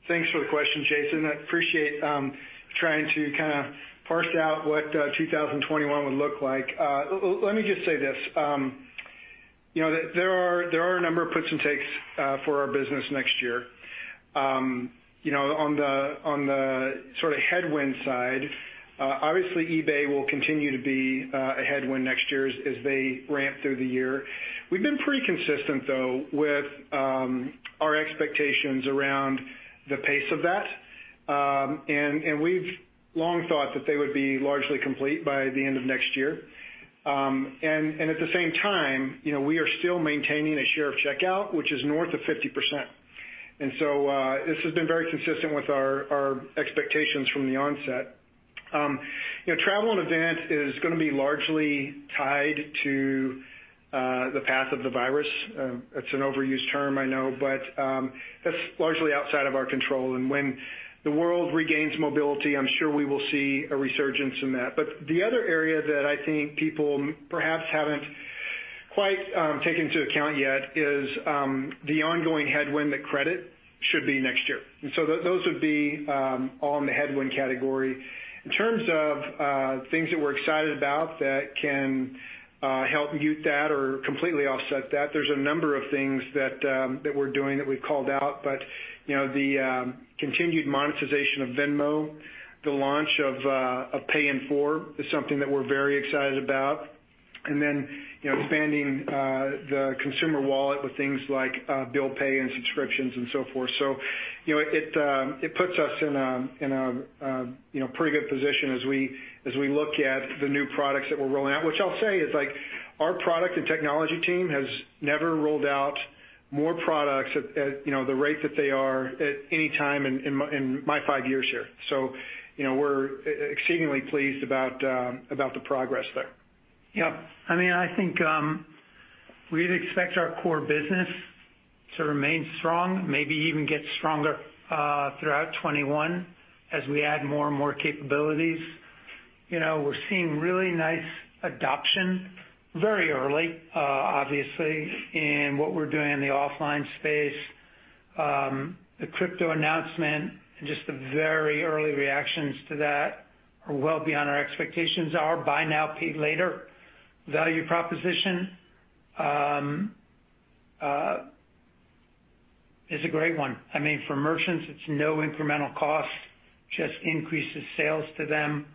Thanks for the question, Jason. I appreciate trying to kind of parse out what 2021 would look like. Let me just say this. There are a number of puts and takes for our business next year. On the sort of headwind side, obviously eBay will continue to be a headwind next year as they ramp through the year. We've been pretty consistent, though, with our expectations around the pace of that. We've long thought that they would be largely complete by the end of next year. At the same time, we are still maintaining a share of checkout, which is north of 50%. This has been very consistent with our expectations from the onset. Travel and event is going to be largely tied to the path of the virus. It's an overused term, I know, but that's largely outside of our control. When the world regains mobility, I'm sure we will see a resurgence in that. The other area that I think people perhaps haven't quite taken into account yet is the ongoing headwind that credit should be next year. Those would be all in the headwind category. In terms of things that we're excited about that can help mute that or completely offset that, there's a number of things that we're doing that we've called out. The continued monetization of Venmo, the launch of Pay in 4 is something that we're very excited about. Then expanding the consumer wallet with things like bill pay and subscriptions and so forth. It puts us in a pretty good position as we look at the new products that we're rolling out, which I'll say is like our product and technology team has never rolled out more products at the rate that they are at any time in my five years here. We're exceedingly pleased about the progress there. Yep. I think we'd expect our core business to remain strong, maybe even get stronger throughout 2021 as we add more and more capabilities. We're seeing really nice adoption, very early obviously, in what we're doing in the offline space. The crypto announcement and just the very early reactions to that are well beyond our expectations. Our Buy Now, Pay Later value proposition is a great one. For merchants, it's no incremental cost, just increases sales to them.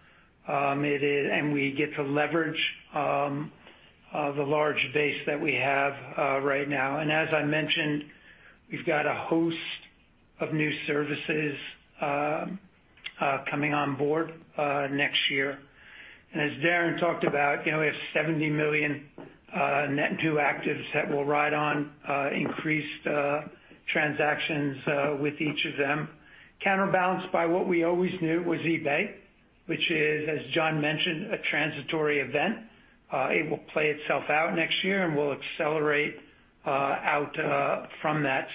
We get to leverage the large base that we have right now. As I mentioned, we've got a host of new services coming on board next year. As Darrin talked about, we have 70 million net new actives that will ride on increased transactions with each of them, counterbalanced by what we always knew was eBay, which is, as John mentioned, a transitory event. It will play itself out next year, and we'll accelerate out from that.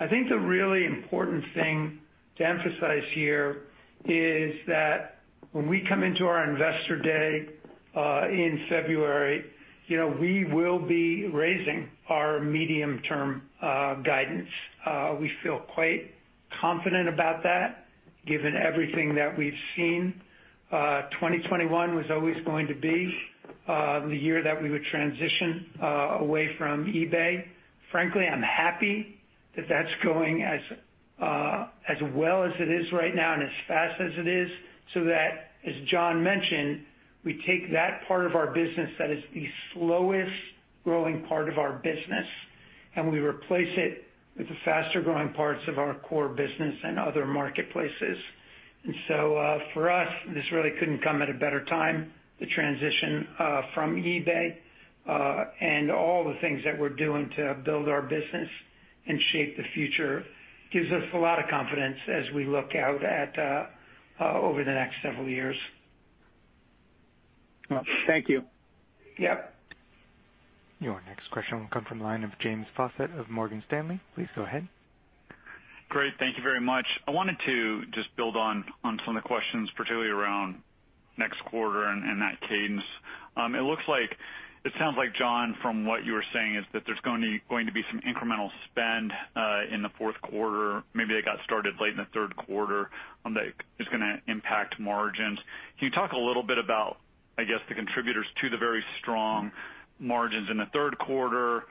I think the really important thing to emphasize here is that when we come into our investor day in February, we will be raising our medium-term guidance. We feel quite confident about that, given everything that we've seen. 2021 was always going to be the year that we would transition away from eBay. Frankly, I'm happy that that's going as well as it is right now and as fast as it is, so that, as John mentioned, we take that part of our business that is the slowest-growing part of our business, and we replace it with the faster-growing parts of our core business and other marketplaces. For us, this really couldn't come at a better time. The transition from eBay and all the things that we're doing to build our business and shape the future gives us a lot of confidence as we look out over the next several years. Well, thank you. Yep. Your next question will come from the line of James Faucette of Morgan Stanley. Please go ahead. Great. Thank you very much. I wanted to just build on some of the questions, particularly around next quarter and that cadence. It sounds like, John, from what you were saying, is that there's going to be some incremental spend in the fourth quarter, maybe that got started late in the third quarter, that is going to impact margins. Can you talk a little bit about, I guess, the contributors to the very strong margins in the third quarter,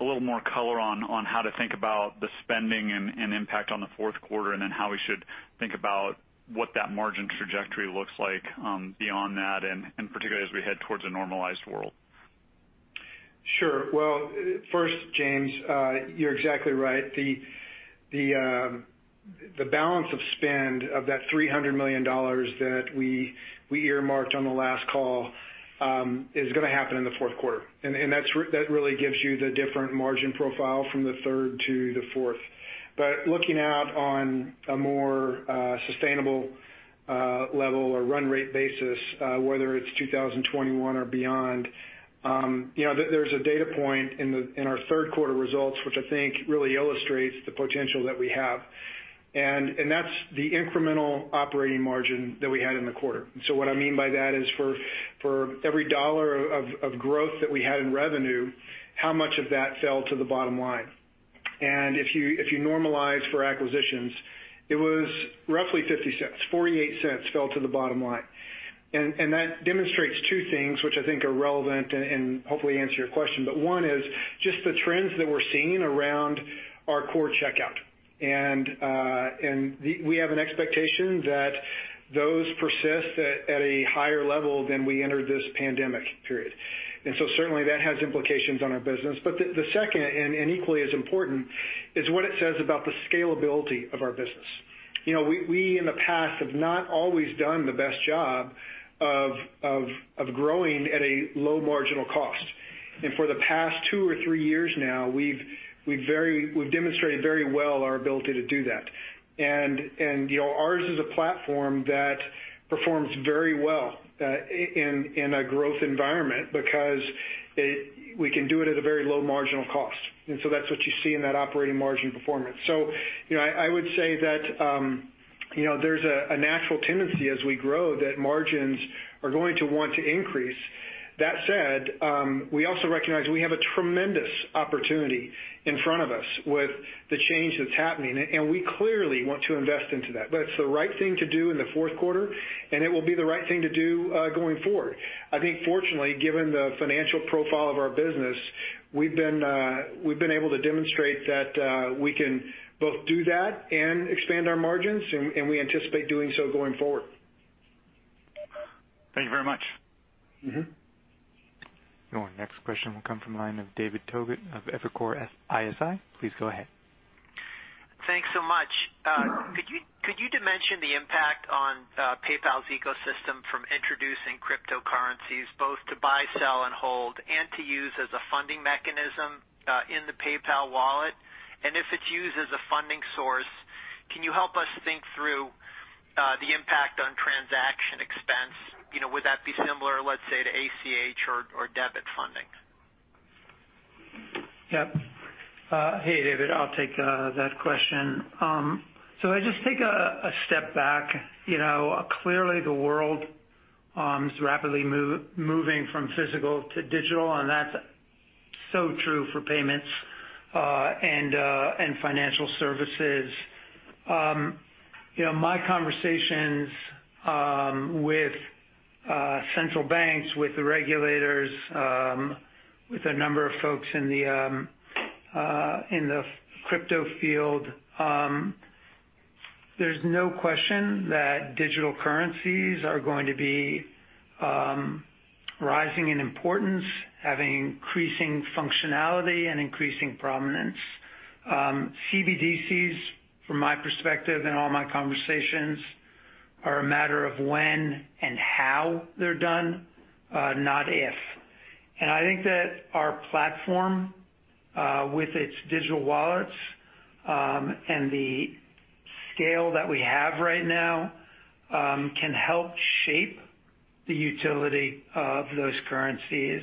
a little more color on how to think about the spending and impact on the fourth quarter, and then how we should think about what that margin trajectory looks like beyond that, and particularly as we head towards a normalized world? Sure. Well, first, James, you're exactly right. The balance of spend of that $300 million that we earmarked on the last call, is going to happen in Q4. That really gives you the different margin profile from the third to the fourth. Looking out on a more sustainable level or run rate basis, whether it's 2021 or beyond, there's a data point in our Q3 results, which I think really illustrates the potential that we have. That's the incremental operating margin that we had in the quarter. What I mean by that is for every dollar of growth that we had in revenue, how much of that fell to the bottom line? If you normalize for acquisitions, it was roughly $0.50. $0.48 fell to the bottom line. That demonstrates two things which I think are relevant and hopefully answer your question. One is just the trends that we're seeing around our core checkout. We have an expectation that those persist at a higher level than we entered this pandemic period. Certainly that has implications on our business. The second, and equally as important, is what it says about the scalability of our business. We in the past have not always done the best job of growing at a low marginal cost. For the past two or three years now, we've demonstrated very well our ability to do that. Ours is a platform that performs very well in a growth environment because we can do it at a very low marginal cost. That's what you see in that operating margin performance. I would say that there's a natural tendency as we grow that margins are going to want to increase. That said, we also recognize we have a tremendous opportunity in front of us with the change that's happening, and we clearly want to invest into that. It's the right thing to do in Q4, and it will be the right thing to do going forward. I think fortunately, given the financial profile of our business, we've been able to demonstrate that we can both do that and expand our margins, and we anticipate doing so going forward. Thank you very much. Your next question will come from the line of David Togut of Evercore ISI. Please go ahead. Thanks so much. Could you dimension the impact on PayPal's ecosystem from introducing cryptocurrencies both to buy, sell, and hold, and to use as a funding mechanism in the PayPal wallet? If it's used as a funding source, can you help us think through the impact on transaction expense? Would that be similar, let's say, to ACH or debit funding? Yeah. Hey, David, I'll take that question. I just take a step back. Clearly the world is rapidly moving from physical to digital, and that's so true for payments and financial services. My conversations with central banks, with the regulators, with a number of folks in the crypto field, there's no question that digital currencies are going to be rising in importance, having increasing functionality and increasing prominence. CBDCs, from my perspective in all my conversations, are a matter of when and how they're done, not if. I think that our platform with its digital wallets, and the scale that we have right now, can help shape the utility of those currencies.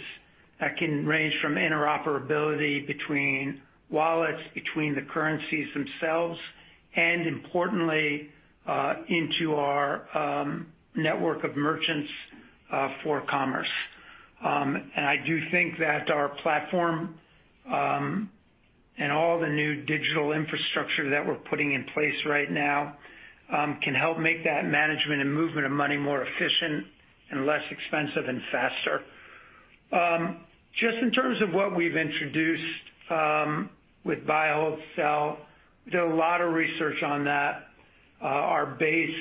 That can range from interoperability between wallets, between the currencies themselves, and importantly, into our network of merchants for commerce. I do think that our platform and all the new digital infrastructure that we're putting in place right now can help make that management and movement of money more efficient and less expensive and faster. Just in terms of what we've introduced with buy, hold, sell, we did a lot of research on that. Our base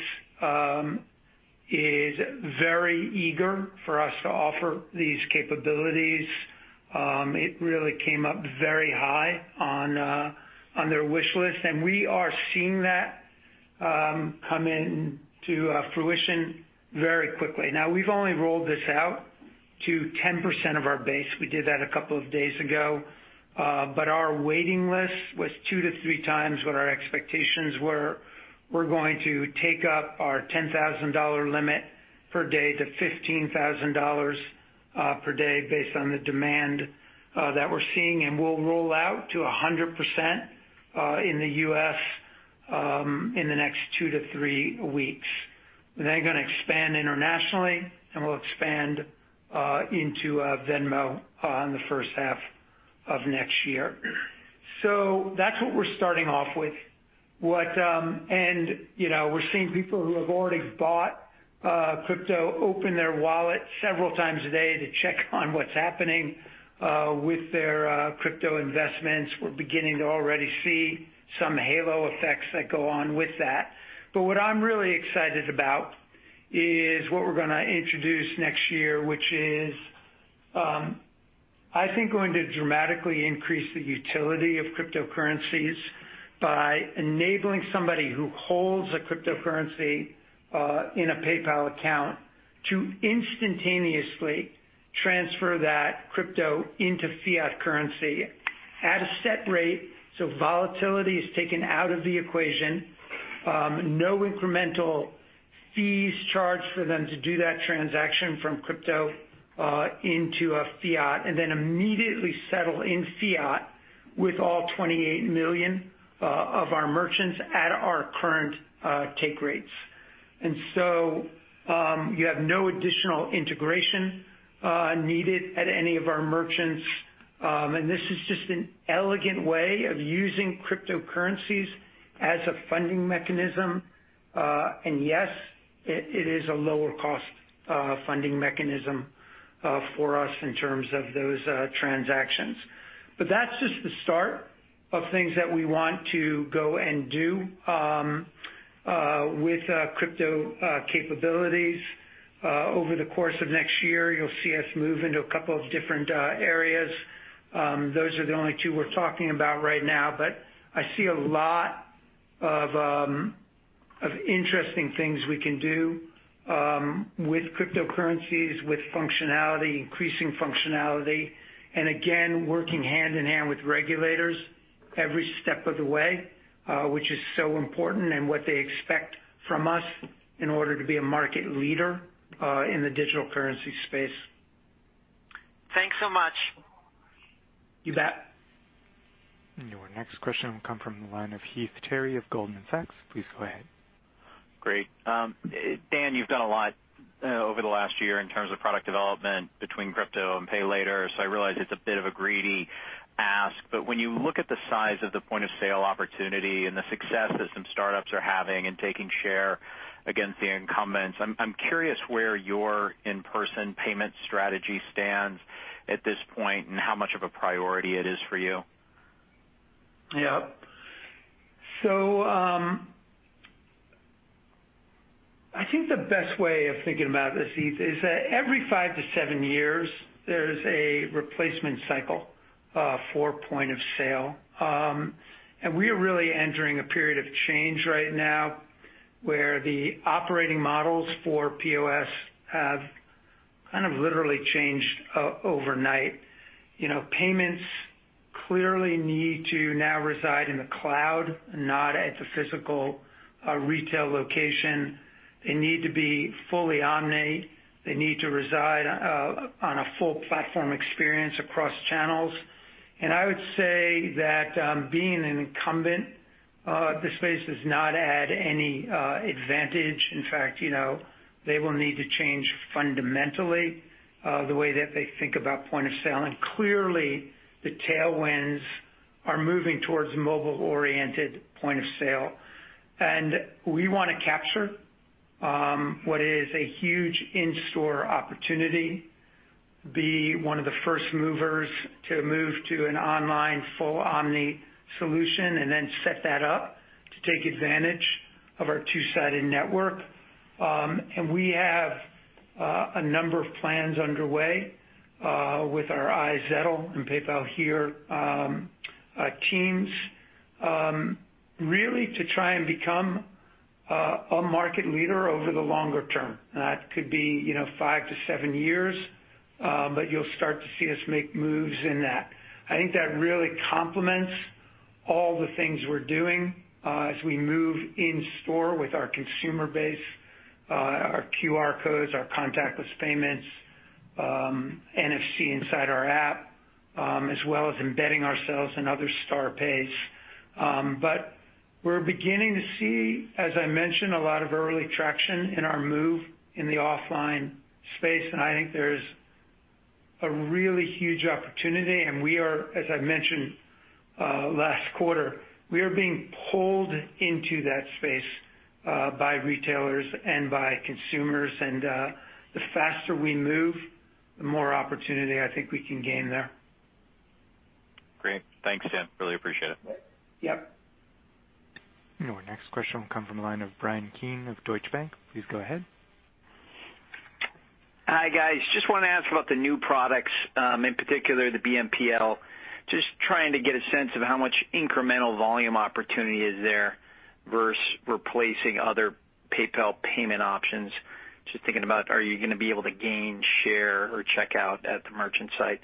is very eager for us to offer these capabilities. It really came up very high on their wish list and we are seeing that come into fruition very quickly. Now, we've only rolled this out to 10% of our base. We did that a couple of days ago. Our waiting list was two to three times what our expectations were. We're going to take up our $10,000 limit per day to $15,000. Per day based on the demand that we're seeing, and we'll roll out to 100% in the U.S. in the next two to three weeks. We're then going to expand internationally, and we'll expand into Venmo on the first half of next year. That's what we're starting off with. We're seeing people who have already bought crypto open their wallet several times a day to check on what's happening with their crypto investments. We're beginning to already see some halo effects that go on with that. What I'm really excited about is what we're going to introduce next year, which is, I think, going to dramatically increase the utility of cryptocurrencies by enabling somebody who holds a cryptocurrency in a PayPal account to instantaneously transfer that crypto into fiat currency at a set rate. Volatility is taken out of the equation. No incremental fees charged for them to do that transaction from crypto into a fiat, then immediately settle in fiat with all 28 million of our merchants at our current take rates. You have no additional integration needed at any of our merchants. This is just an elegant way of using cryptocurrencies as a funding mechanism. That's just the start of things that we want to go and do with crypto capabilities. Over the course of next year, you'll see us move into a couple of different areas. Those are the only two we're talking about right now, but I see a lot of interesting things we can do with cryptocurrencies, with functionality, increasing functionality, and again, working hand in hand with regulators every step of the way which is so important and what they expect from us in order to be a market leader in the digital currency space. Thanks so much. You bet. Your next question will come from the line of Heath Terry of Goldman Sachs. Please go ahead. Great. Dan, you've done a lot over the last year in terms of product development between crypto and Pay Later. I realize it's a bit of a greedy ask, but when you look at the size of the point-of-sale opportunity and the success that some startups are having in taking share against the incumbents, I'm curious where your in-person payment strategy stands at this point and how much of a priority it is for you. Yep. I think the best way of thinking about this, Heath, is that every five to seven years, there is a replacement cycle for point of sale. We are really entering a period of change right now where the operating models for POS have kind of literally changed overnight. Payments clearly need to now reside in the cloud, not at the physical retail location. They need to be fully omni. They need to reside on a full platform experience across channels. I would say that being an incumbent this space does not add any advantage. In fact, they will need to change fundamentally the way that they think about point of sale. Clearly, the tailwinds are moving towards mobile-oriented point of sale. We want to capture what is a huge in-store opportunity, be one of the first movers to move to an online full omni solution, and then set that up to take advantage of our two-sided network. We have a number of plans underway with our iZettle and PayPal Here teams really to try and become a market leader over the longer term. That could be five to seven years but you'll start to see us make moves in that. I think that really complements all the things we're doing as we move in store with our consumer base, our QR codes, our contactless payments, NFC inside our app as well as embedding ourselves in other Star pays. We're beginning to see, as I mentioned, a lot of early traction in our move in the offline space, and I think there's a really huge opportunity, and we are, as I mentioned last quarter, being pulled into that space by retailers and by consumers. The faster we move, the more opportunity I think we can gain there. Great. Thanks, Dan. Really appreciate it. Yep. Your next question will come from the line of Bryan Keane of Deutsche Bank. Please go ahead. Hi, guys. Just want to ask about the new products, in particular the BNPL. Just trying to get a sense of how much incremental volume opportunity is there versus replacing other PayPal payment options. Just thinking about, are you going to be able to gain share or checkout at the merchant site?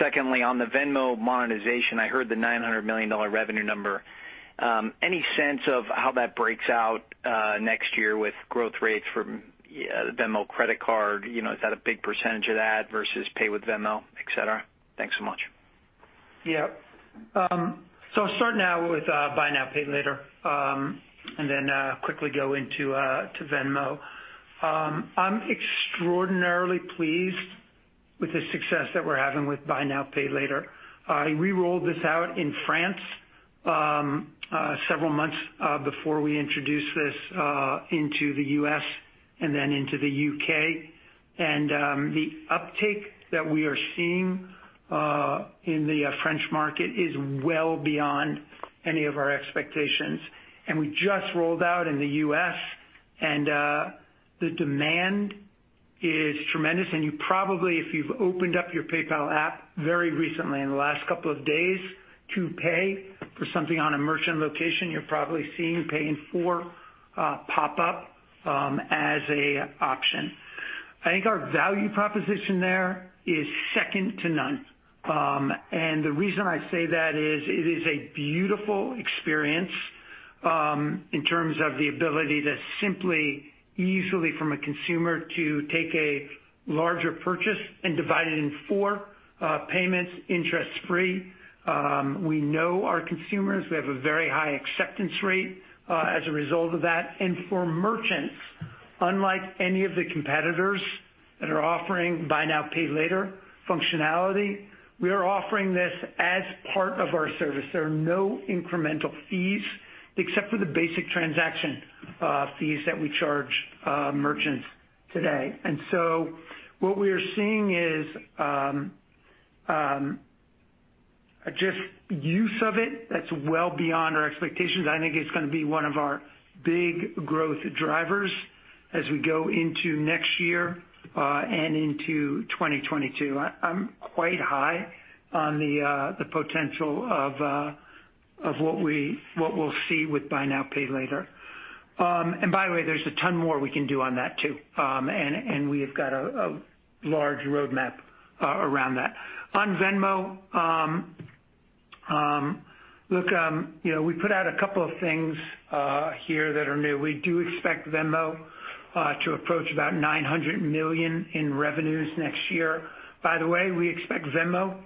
Secondly, on the Venmo monetization, I heard the $900 million revenue number. Any sense of how that breaks out next year with growth rates from the Venmo credit card? Is that a big percentage of that versus Pay with Venmo, et cetera? Thanks so much. Yeah. I'll start now with Buy Now, Pay Later, and then quickly go into Venmo. I'm extraordinarily pleased with the success that we're having with Buy Now, Pay Later. I re-rolled this out in France several months before we introduced this into the U.S. and then into the U.K. The uptake that we are seeing in the French market is well beyond any of our expectations. We just rolled out in the U.S., and the demand is tremendous. You probably, if you've opened up your PayPal app very recently in the last couple of days to pay for something on a merchant location, you're probably seeing Pay in 4 pop up as an option. I think our value proposition there is second to none. The reason I say that is it is a beautiful experience in terms of the ability to simply easily from a consumer to take a larger purchase and divide it in four payments interest free. We know our consumers. We have a very high acceptance rate as a result of that. For merchants, unlike any of the competitors that are offering Buy Now, Pay Later functionality, we are offering this as part of our service. There are no incremental fees except for the basic transaction fees that we charge merchants today. What we are seeing is just use of it that's well beyond our expectations. I think it's going to be one of our big growth drivers as we go into next year, and into 2022. I'm quite high on the potential of what we'll see with Buy Now, Pay Later. By the way, there's a ton more we can do on that too. We have got a large roadmap around that. On Venmo, look, we put out a couple of things here that are new. We do expect Venmo to approach about $900 million in revenues next year. We expect Venmo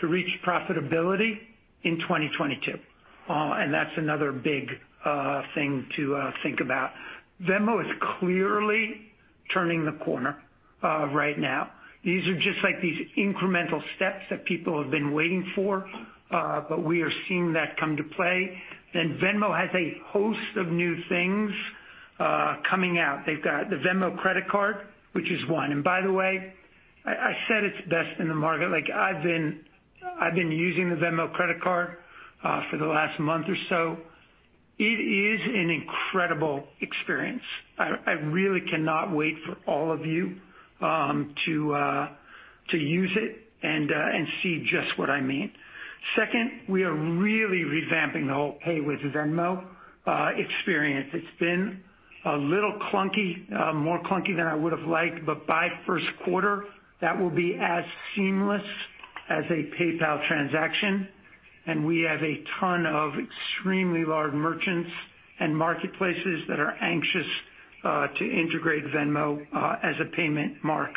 to reach profitability in 2022. That's another big thing to think about. Venmo is clearly turning the corner right now. These are just these incremental steps that people have been waiting for, but we are seeing that come to play. Venmo has a host of new things coming out. They've got the Venmo credit card, which is one. By the way, I said it's the best in the market. I've been using the Venmo credit card for the last month or so. It is an incredible experience. I really cannot wait for all of you to use it and see just what I mean. Second, we are really revamping the whole Pay with Venmo experience. It's been a little clunky, more clunky than I would've liked, but by first quarter, that will be as seamless as a PayPal transaction, and we have a ton of extremely large merchants and marketplaces that are anxious to integrate Venmo as a payment mark.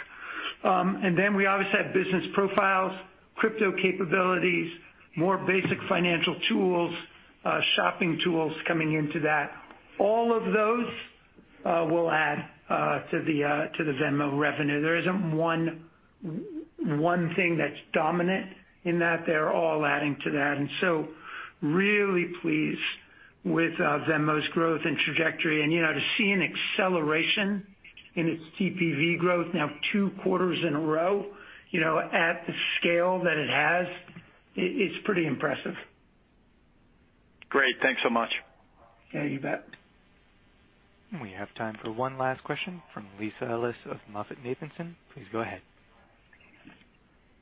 Then we obviously have business profiles, crypto capabilities, more basic financial tools, shopping tools coming into that. All of those will add to the Venmo revenue. There isn't one thing that's dominant in that. They're all adding to that. So really pleased with Venmo's growth and trajectory. To see an acceleration in its TPV growth now two quarters in a row at the scale that it has, it's pretty impressive. Great. Thanks so much. Yeah, you bet. We have time for one last question from Lisa Ellis of MoffettNathanson. Please go ahead.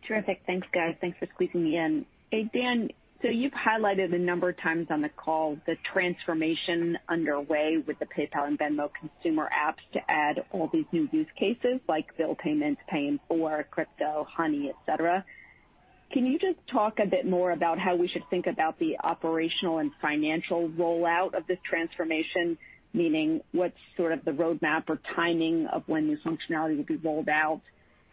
Terrific. Thanks, guys. Thanks for squeezing me in. Hey, Dan, you've highlighted a number of times on the call the transformation underway with the PayPal and Venmo consumer apps to add all these new use cases like bill payments, paying for crypto, Honey, et cetera. Can you just talk a bit more about how we should think about the operational and financial rollout of this transformation? Meaning what's sort of the roadmap or timing of when new functionality will be rolled out?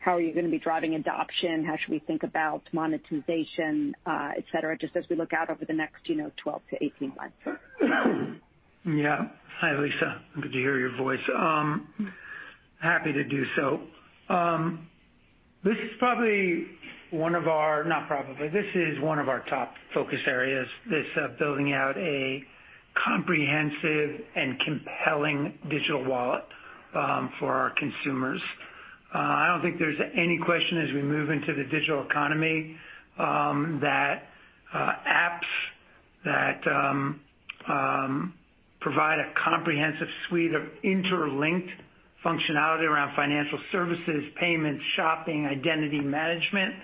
How are you going to be driving adoption? How should we think about monetization, et cetera, just as we look out over the next 12 to 18 months? Yeah. Hi, Lisa. Good to hear your voice. Happy to do so. This is one of our top focus areas, this building out a comprehensive and compelling digital wallet for our consumers. I don't think there's any question as we move into the digital economy that apps that provide a comprehensive suite of interlinked functionality around financial services, payments, shopping, identity management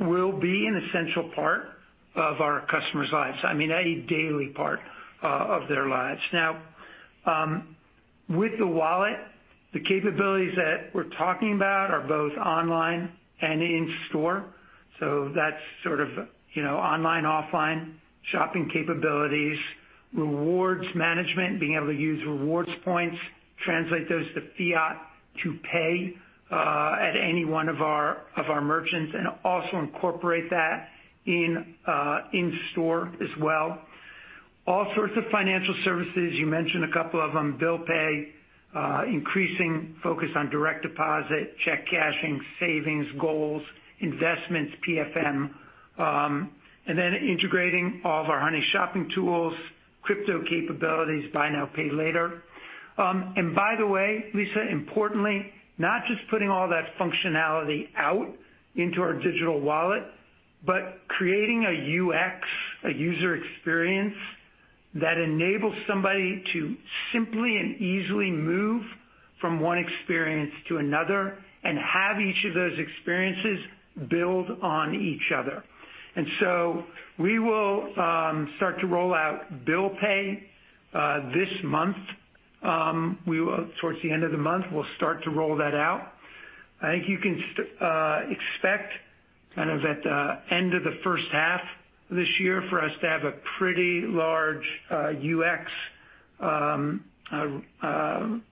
will be an essential part of our customers' lives. I mean, a daily part of their lives. Now-With the wallet, the capabilities that we're talking about are both online and in-store. That's sort of online, offline shopping capabilities, rewards management, being able to use rewards points, translate those to fiat to pay at any one of our merchants, and also incorporate that in-store as well. All sorts of financial services, you mentioned a couple of them, bill pay, increasing focus on direct deposit, check cashing, savings, goals, investments, PFM. Integrating all of our Honey shopping tools, crypto capabilities, buy now, pay later. By the way, Lisa, importantly, not just putting all that functionality out into our digital wallet, but creating a UX, a user experience, that enables somebody to simply and easily move from one experience to another and have each of those experiences build on each other. We will start to roll out bill pay this month. Towards the end of the month, we'll start to roll that out. I think you can expect kind of at the end of the H1 this year for us to have a pretty large UX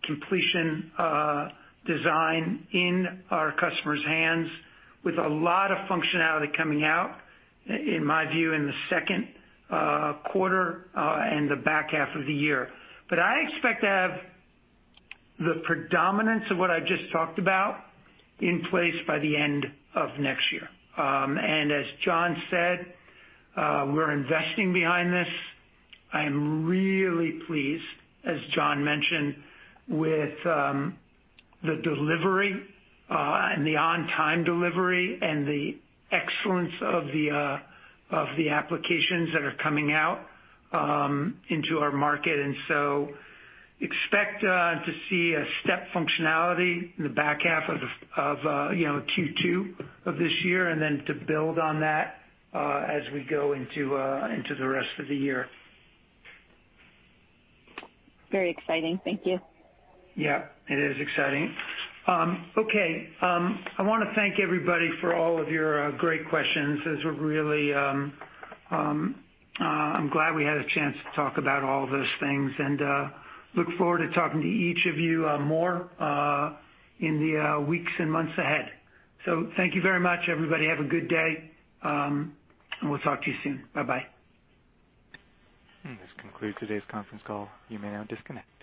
completion design in our customers' hands with a lot of functionality coming out, in my view, in Q2 and the back half of the year. I expect to have the predominance of what I just talked about in place by the end of next year. As John said, we're investing behind this. I am really pleased, as John mentioned, with the delivery and the on-time delivery and the excellence of the applications that are coming out into our market. Expect to see a step functionality in the back half of Q2 of this year, and then to build on that as we go into the rest of the year. Very exciting. Thank you. Yeah, it is exciting. Okay. I want to thank everybody for all of your great questions. I'm glad we had a chance to talk about all those things and look forward to talking to each of you more in the weeks and months ahead. Thank you very much, everybody. Have a good day, and we'll talk to you soon. Bye-bye. This concludes today's conference call. You may now disconnect.